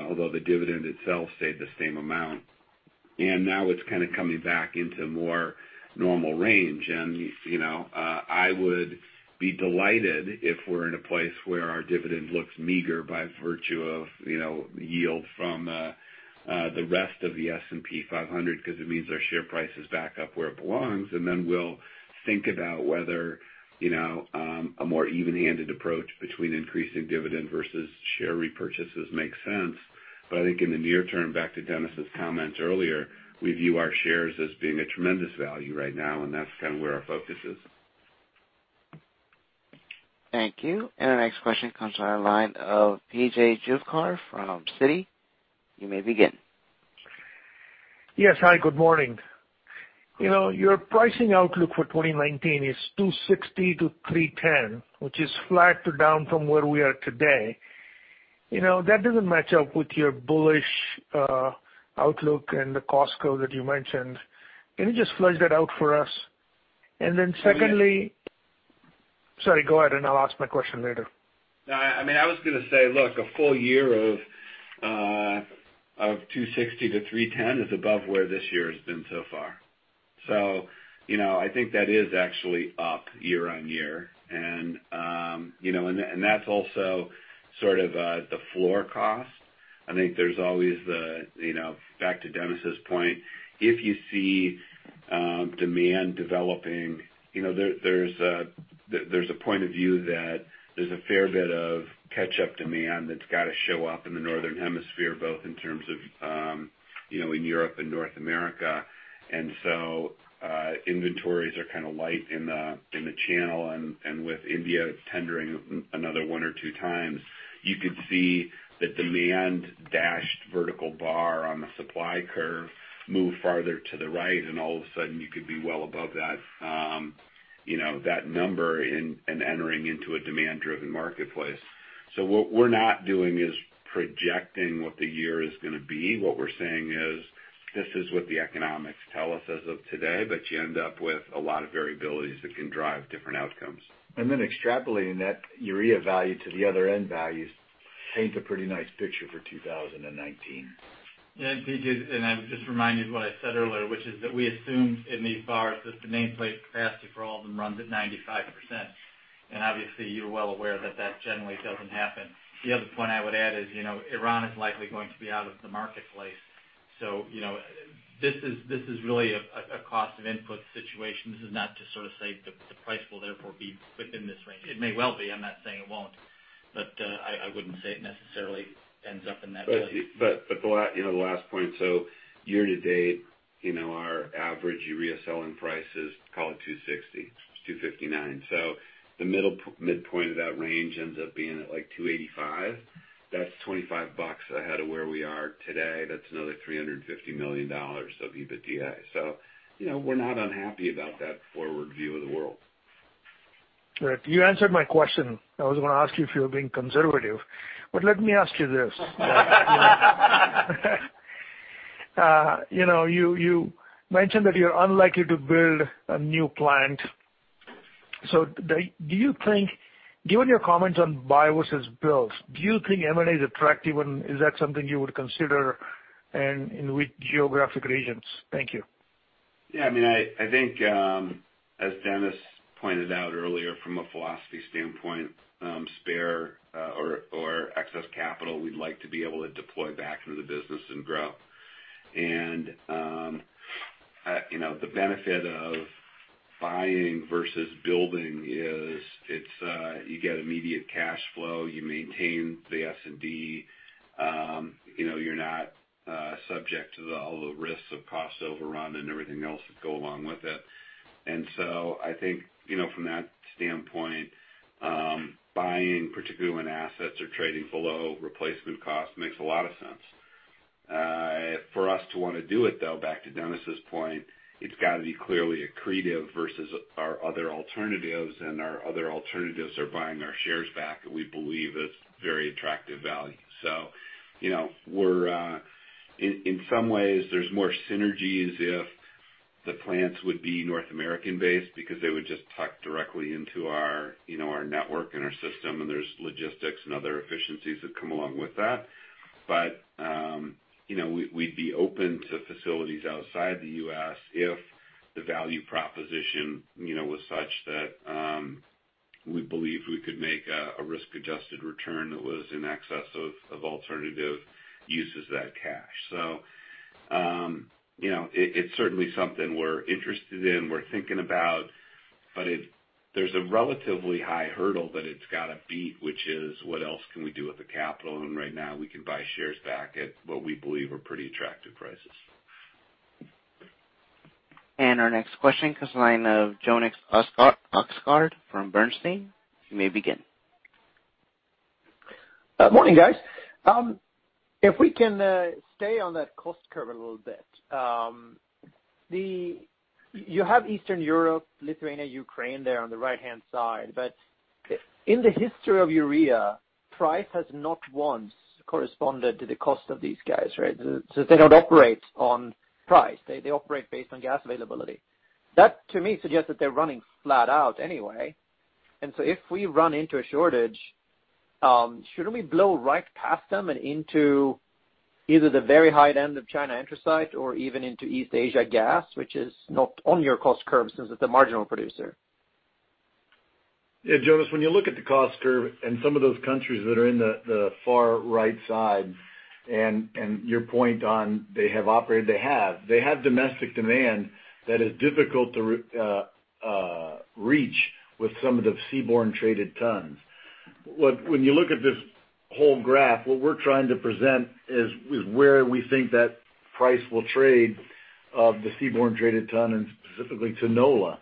although the dividend itself stayed the same amount. Now it's kind of coming back into more normal range. I would be delighted if we're in a place where our dividend looks meager by virtue of yield from the rest of the S&P 500 because it means our share price is back up where it belongs. Then we'll think about whether a more even-handed approach between increasing dividend versus share repurchases make sense. I think in the near term, back to Dennis' comments earlier, we view our shares as being a tremendous value right now. That's kind of where our focus is. Thank you. Our next question comes on our line of P.J. Juvekar from Citi. You may begin. Yes. Hi, good morning. Your pricing outlook for 2019 is $260-$310, which is flat to down from where we are today. That doesn't match up with your bullish outlook and the cost curve that you mentioned. Can you just flesh that out for us? Sorry, go ahead and I'll ask my question later. No, I was going to say, look, a full year of $260-$310 is above where this year has been so far. I think that is actually up year-on-year. That's also sort of the floor cost. I think there's always back to Dennis' point, if you see demand developing, there's a point of view that there's a fair bit of catch-up demand that's got to show up in the Northern Hemisphere, both in terms of in Europe and North America. Inventories are kind of light in the channel. With India tendering another one or two times, you could see the demand dashed vertical bar on the supply curve move farther to the right, and all of a sudden you could be well above that number and entering into a demand driven marketplace. What we're not doing is projecting what the year is going to be. What we're saying is this is what the economics tell us as of today, but you end up with a lot of variabilities that can drive different outcomes. extrapolating that urea value to the other end values Paint a pretty nice picture for 2019. Yeah, P.J., I would just remind you of what I said earlier, which is that we assumed in these bars that the nameplate capacity for all of them runs at 95%. Obviously you're well aware that generally doesn't happen. The other point I would add is, Iran is likely going to be out of the marketplace. This is really a cost of input situation. This is not to say the price will therefore be within this range. It may well be, I'm not saying it won't, but I wouldn't say it necessarily ends up in that range. The last point. Year to date, our average urea selling price is, call it $260. It's $259. The midpoint of that range ends up being at like $285. That's $25 ahead of where we are today. That's another $350 million of EBITDA. We're not unhappy about that forward view of the world. Right. You answered my question. I was going to ask you if you were being conservative, but let me ask you this. You mentioned that you're unlikely to build a new plant. Do you think, given your comments on buy versus build, do you think M&A is attractive and is that something you would consider and in which geographic regions? Thank you. Yeah. I think, as Dennis pointed out earlier from a philosophy standpoint, spare or excess capital, we'd like to be able to deploy back into the business and grow. The benefit of buying versus building is you get immediate cash flow, you maintain the S&D, you're not subject to all the risks of cost overrun and everything else that go along with it. I think, from that standpoint, buying, particularly when assets are trading below replacement cost, makes a lot of sense. For us to want to do it, though, back to Dennis's point, it's got to be clearly accretive versus our other alternatives, and our other alternatives are buying our shares back at what we believe is very attractive value. In some ways there's more synergies if the plants would be North American based because they would just tuck directly into our network and our system, and there's logistics and other efficiencies that come along with that. We'd be open to facilities outside the U.S. if the value proposition was such that we believe we could make a risk adjusted return that was in excess of alternative uses of that cash. It's certainly something we're interested in, we're thinking about, but there's a relatively high hurdle that it's got to beat, which is what else can we do with the capital? Right now we can buy shares back at what we believe are pretty attractive prices. Our next question comes the line of Jonas Oxgaard from Bernstein. You may begin. Morning, guys. If we can stay on that cost curve a little bit. You have Eastern Europe, Lithuania, Ukraine there on the right-hand side. In the history of urea, price has not once corresponded to the cost of these guys, right? They don't operate on price. They operate based on gas availability. That to me suggests that they're running flat out anyway. If we run into a shortage, shouldn't we blow right past them and into either the very high end of China anthracite or even into East Asia gas, which is not on your cost curve since it's a marginal producer? Yeah. Jonas, when you look at the cost curve and some of those countries that are in the far right side and your point on they have operated, they have. They have domestic demand that is difficult to reach with some of the seaborne traded tons. When you look at this whole graph, what we're trying to present is where we think that price will trade of the seaborne traded ton and specifically to NOLA.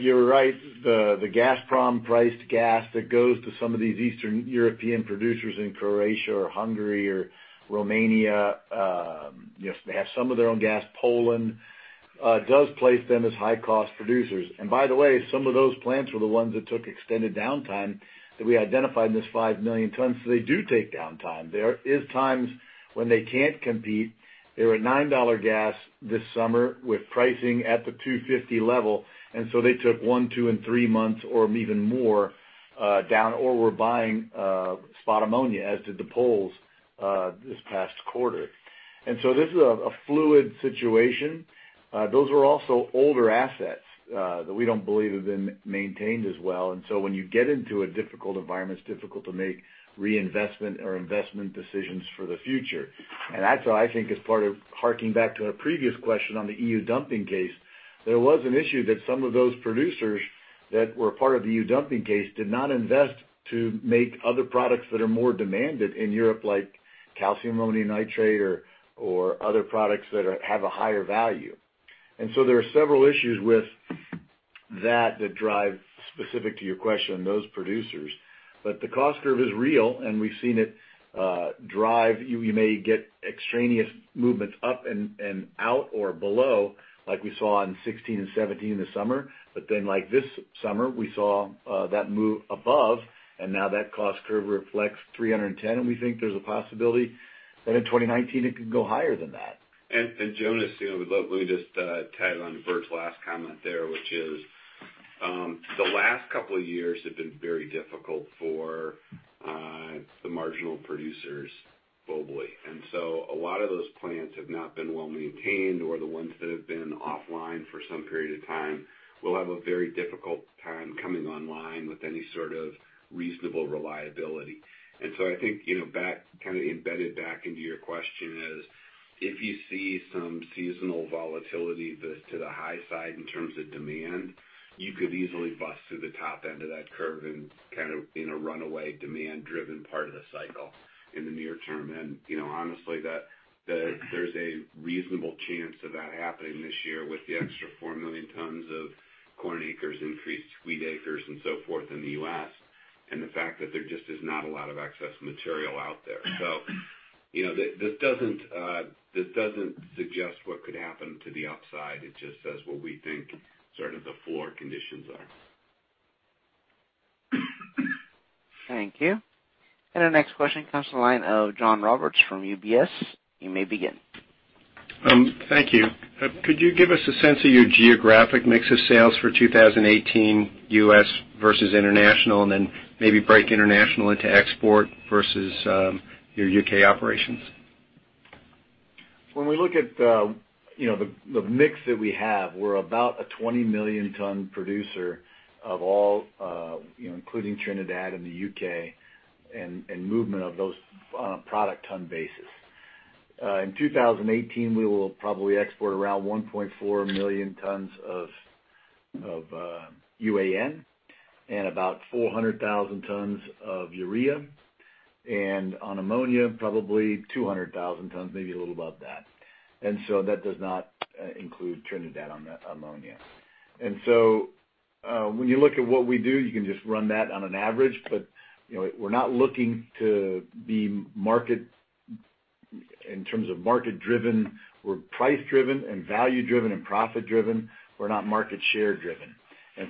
You're right, the Gazprom priced gas that goes to some of these Eastern European producers in Croatia or Hungary or Romania, they have some of their own gas. Poland does place them as high cost producers. By the way, some of those plants were the ones that took extended downtime that we identified in this 5 million tons. They do take downtime. There is times when they can't compete. They were at $9 gas this summer with pricing at the 250 level. They took one, two, and three months or even more down, or were buying spot ammonia, as did the Poles this past quarter. This is a fluid situation. Those are also older assets that we don't believe have been maintained as well. When you get into a difficult environment, it's difficult to make reinvestment or investment decisions for the future. That's why I think as part of harking back to a previous question on the EU dumping case, there was an issue that some of those producers that were part of the EU dumping case did not invest to make other products that are more demanded in Europe, like calcium ammonium nitrate or other products that have a higher value. There are several issues with that drive specific to your question on those producers. The cost curve is real and we've seen it drive. You may get extraneous movements up and out or below like we saw in 2016 and 2017 this summer. Like this summer we saw that move above and now that cost curve reflects 310 and we think there's a possibility that in 2019 it could go higher than that. Jonas, let me just tag on to Bert's last comment there, which is The last couple of years have been very difficult for the marginal producers globally. A lot of those plants have not been well-maintained, or the ones that have been offline for some period of time will have a very difficult time coming online with any sort of reasonable reliability. I think, embedded back into your question is, if you see some seasonal volatility to the high side in terms of demand, you could easily bust through the top end of that curve and run away, demand driven part of the cycle in the near term. Honestly, there's a reasonable chance of that happening this year with the extra 4 million tons of corn acres, increased wheat acres, and so forth in the U.S., and the fact that there just is not a lot of excess material out there. This doesn't suggest what could happen to the upside. It just says what we think the floor conditions are. Thank you. Our next question comes to the line of John Roberts from UBS. You may begin. Thank you. Could you give us a sense of your geographic mix of sales for 2018, U.S. versus international, and then maybe break international into export versus your U.K. operations? When we look at the mix that we have, we're about a 20 million ton producer of all, including Trinidad and the U.K., and movement of those product ton basis. In 2018, we will probably export around 1.4 million tons of UAN and about 400,000 tons of urea. On ammonia, probably 200,000 tons, maybe a little above that. That does not include Trinidad on ammonia. When you look at what we do, you can just run that on an average, but we're not looking to be in terms of market driven. We're price driven and value driven and profit driven. We're not market share driven.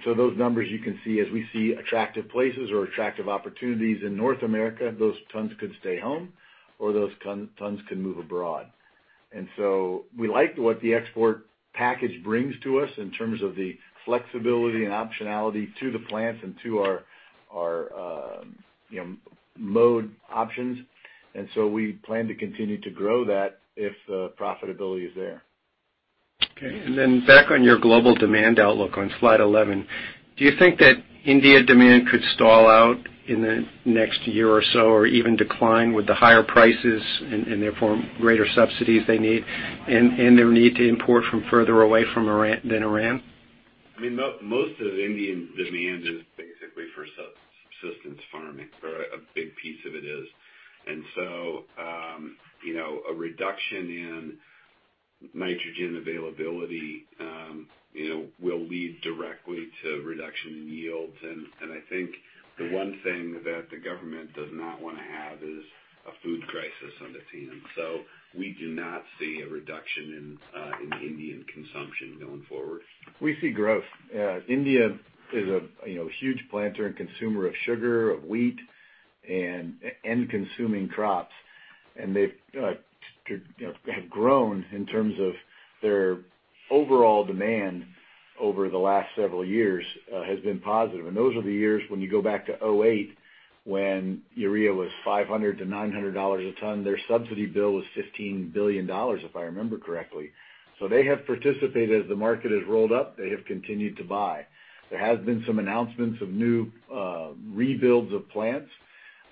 Those numbers you can see, as we see attractive places or attractive opportunities in North America, those tons could stay home or those tons can move abroad. We like what the export package brings to us in terms of the flexibility and optionality to the plants and to our mode options, and so we plan to continue to grow that if the profitability is there. Okay. Back on your global demand outlook on slide 11, do you think that India demand could stall out in the next year or so, or even decline with the higher prices and therefore greater subsidies they need, and their need to import from further away than Iran? Most of Indian demand is basically for subsistence farming, or a big piece of it is. A reduction in nitrogen availability will lead directly to reduction in yields. I think the one thing that the government does not want to have is a food crisis on their hands. We do not see a reduction in Indian consumption going forward. We see growth. India is a huge planter and consumer of sugar, of wheat, and end consuming crops. They have grown in terms of their overall demand over the last several years, has been positive. Those are the years when you go back to '08, when urea was $500-$900 a ton. Their subsidy bill was $15 billion, if I remember correctly. They have participated. As the market has rolled up, they have continued to buy. There has been some announcements of new rebuilds of plants,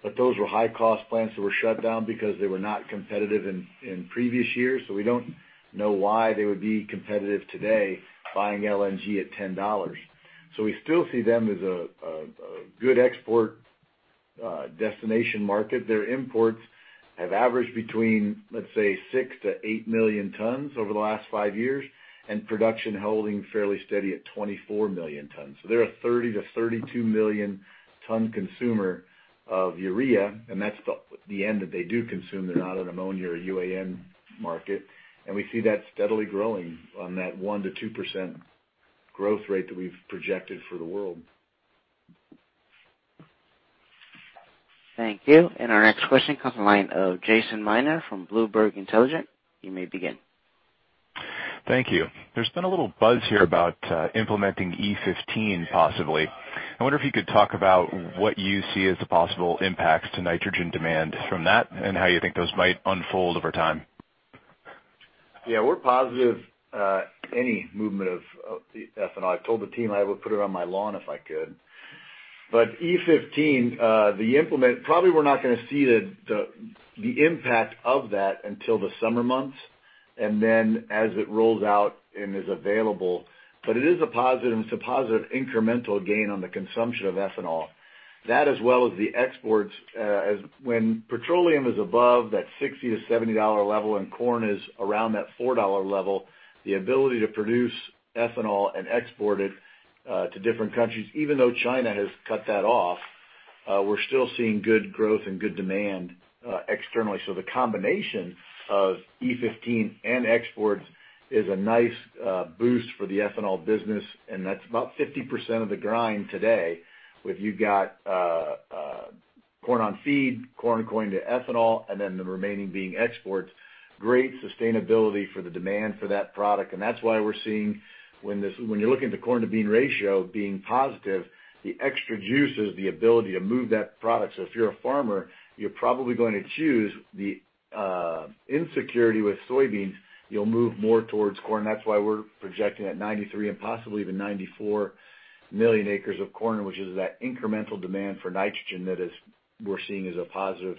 but those were high cost plants that were shut down because they were not competitive in previous years. We don't know why they would be competitive today buying LNG at $10. We still see them as a good export destination market. Their imports have averaged between, let's say, 6 million-8 million tons over the last five years, and production holding fairly steady at 24 million tons. They're a 30 million-32 million ton consumer of urea, and that's the end that they do consume. They're not an ammonia or UAN market. We see that steadily growing on that 1%-2% growth rate that we've projected for the world. Thank you. Our next question comes the line of Jason Miner from Bloomberg Intelligence. You may begin. Thank you. There's been a little buzz here about implementing E15 possibly. I wonder if you could talk about what you see as the possible impacts to nitrogen demand from that, and how you think those might unfold over time. We're positive any movement of ethanol. I've told the team I would put it on my lawn if I could. E15, probably we're not going to see the impact of that until the summer months, then as it rolls out and is available. It is a positive, and it's a positive incremental gain on the consumption of ethanol. That as well as the exports. When petroleum is above that $60-$70 level and corn is around that $4 level, the ability to produce ethanol and export it to different countries, even though China has cut that off, we're still seeing good growth and good demand externally. The combination of E15 and exports is a nice boost for the ethanol business, and that's about 50% of the grind today. If you've got corn on feed, corn going to ethanol, the remaining being exports. Great sustainability for the demand for that product. That's why we're seeing when you're looking at the corn to bean ratio being positive, the extra juices, the ability to move that product. If you're a farmer, you're probably going to choose the insecurity with soybeans, you'll move more towards corn. That's why we're projecting at 93 and possibly even 94 million acres of corn, which is that incremental demand for nitrogen that we're seeing as a positive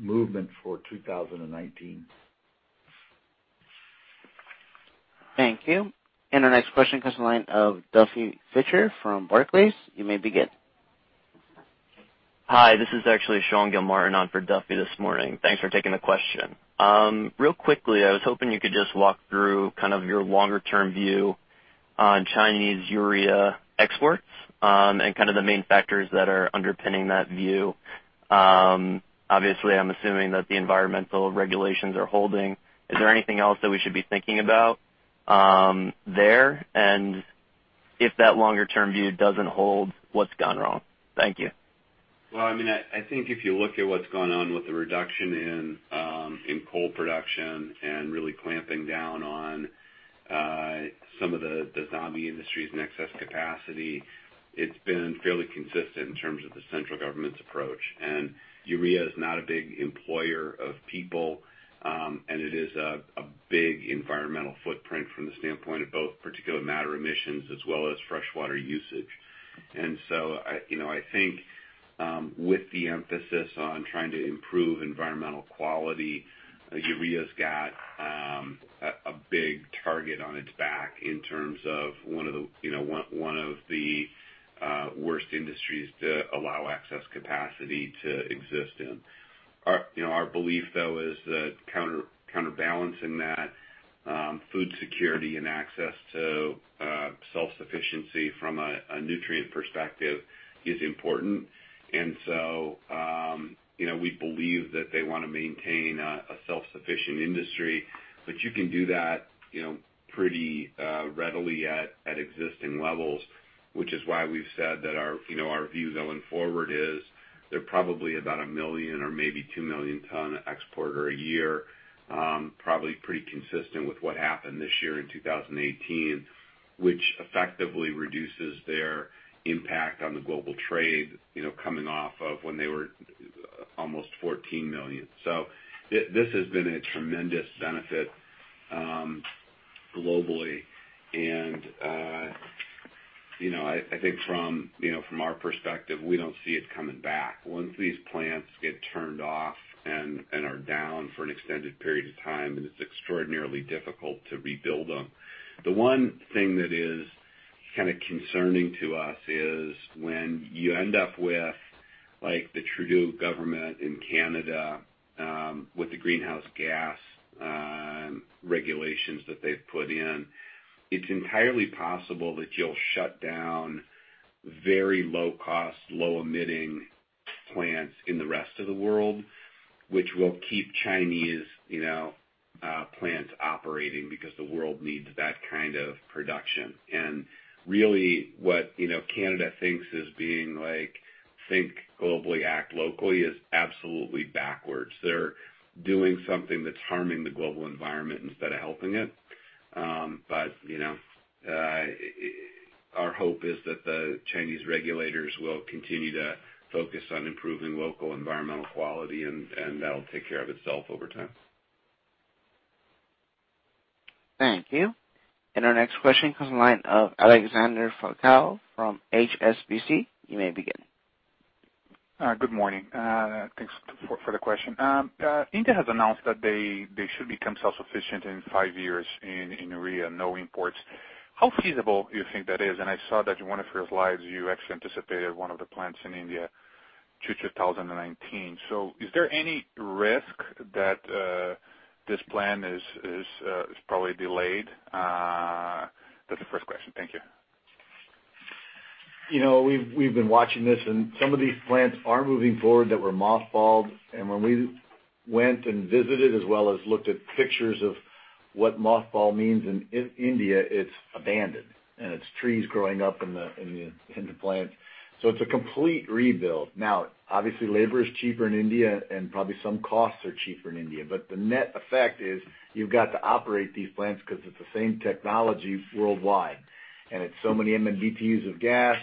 movement for 2019. Thank you. Our next question comes to the line of Duffy Fischer from Barclays. You may begin. Hi, this is actually Sean Gilmartin on for Duffy this morning. Thanks for taking the question. Real quickly, I was hoping you could just walk through kind of your longer-term view on Chinese urea exports, and kind of the main factors that are underpinning that view. Obviously, I'm assuming that the environmental regulations are holding. Is there anything else that we should be thinking about there? If that longer-term view doesn't hold, what's gone wrong? Thank you. Well, I think if you look at what's gone on with the reduction in coal production and really clamping down on some of the zombie industries and excess capacity, it's been fairly consistent in terms of the central government's approach. Urea is not a big employer of people, and it is a big environmental footprint from the standpoint of both particulate matter emissions as well as freshwater usage. I think with the emphasis on trying to improve environmental quality, urea's got a big target on its back in terms of one of the worst industries to allow excess capacity to exist in. Our belief though is that counterbalancing that, food security and access to self-sufficiency from a nutrient perspective is important. We believe that they want to maintain a self-sufficient industry, but you can do that pretty readily at existing levels, which is why we've said that our view going forward is they're probably about a 1 million or maybe 2 million ton exporter a year. Probably pretty consistent with what happened this year in 2018, which effectively reduces their impact on the global trade, coming off of when they were almost 14 million. This has been a tremendous benefit globally, and I think from our perspective, we don't see it coming back. Once these plants get turned off and are down for an extended period of time, it's extraordinarily difficult to rebuild them. The one thing that is kind of concerning to us is when you end up with the Trudeau government in Canada, with the greenhouse gas regulations that they've put in, it's entirely possible that you'll shut down very low cost, low emitting plants in the rest of the world, which will keep Chinese plants operating because the world needs that kind of production. Really what Canada thinks is being like, "Think globally, act locally," is absolutely backwards. They're doing something that's harming the global environment instead of helping it. Our hope is that the Chinese regulators will continue to focus on improving local environmental quality, and that'll take care of itself over time. Thank you. Our next question comes to the line of Alexander Hindo from HSBC. You may begin. Good morning. Thanks for the question. India has announced that they should become self-sufficient in 5 years in urea, no imports. How feasible do you think that is? I saw that in one of your slides, you actually anticipated one of the plants in India, Q4 2019. Is there any risk that this plan is probably delayed? That's the first question. Thank you. We've been watching this and some of these plants are moving forward that were mothballed. When we went and visited, as well as looked at pictures of what mothball means in India, it's abandoned, and it's trees growing up in the plants. It's a complete rebuild. Now, obviously, labor is cheaper in India and probably some costs are cheaper in India. The net effect is you've got to operate these plants because it's the same technology worldwide. It's so many MMBtus of gas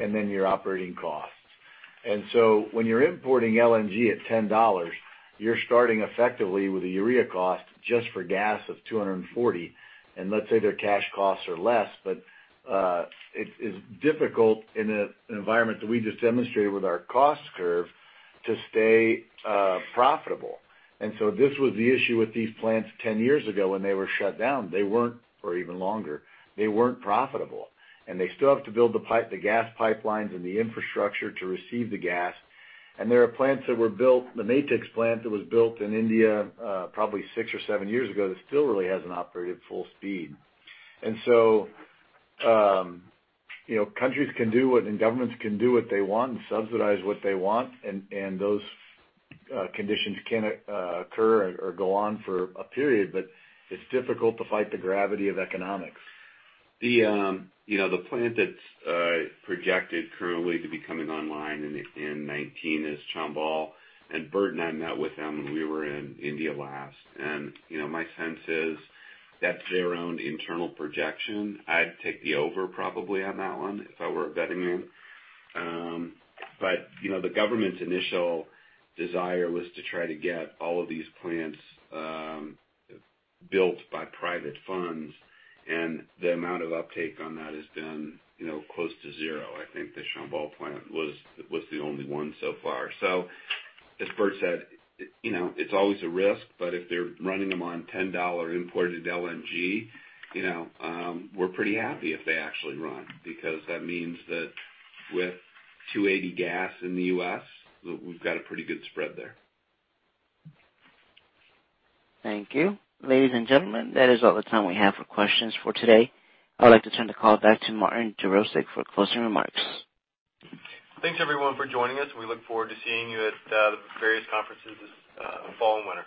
and then your operating costs. When you're importing LNG at $10, you're starting effectively with a urea cost just for gas of $240. Let's say their cash costs are less, but it's difficult in an environment that we just demonstrated with our cost curve to stay profitable. This was the issue with these plants 10 years ago when they were shut down. For even longer, they weren't profitable. They still have to build the gas pipelines and the infrastructure to receive the gas. There are plants that were built, the Matix plant that was built in India probably six or seven years ago, that still really hasn't operated full speed. Countries can do what, and governments can do what they want and subsidize what they want. Those conditions can occur or go on for a period, but it's difficult to fight the gravity of economics. The plant that's projected currently to be coming online in 2019 is Chambal. Bert and I met with them when we were in India last. My sense is that's their own internal projection. I'd take the over probably on that one if I were a betting man. The government's initial desire was to try to get all of these plants built by private funds, and the amount of uptake on that has been close to zero. I think the Chambal plant was the only one so far. As Bert said, it's always a risk, but if they're running them on $10 imported LNG, we're pretty happy if they actually run because that means that with $2.80 gas in the U.S., we've got a pretty good spread there. Thank you. Ladies and gentlemen, that is all the time we have for questions for today. I would like to turn the call back to Martin Jarosick for closing remarks. Thanks everyone for joining us. We look forward to seeing you at the various conferences this fall and winter.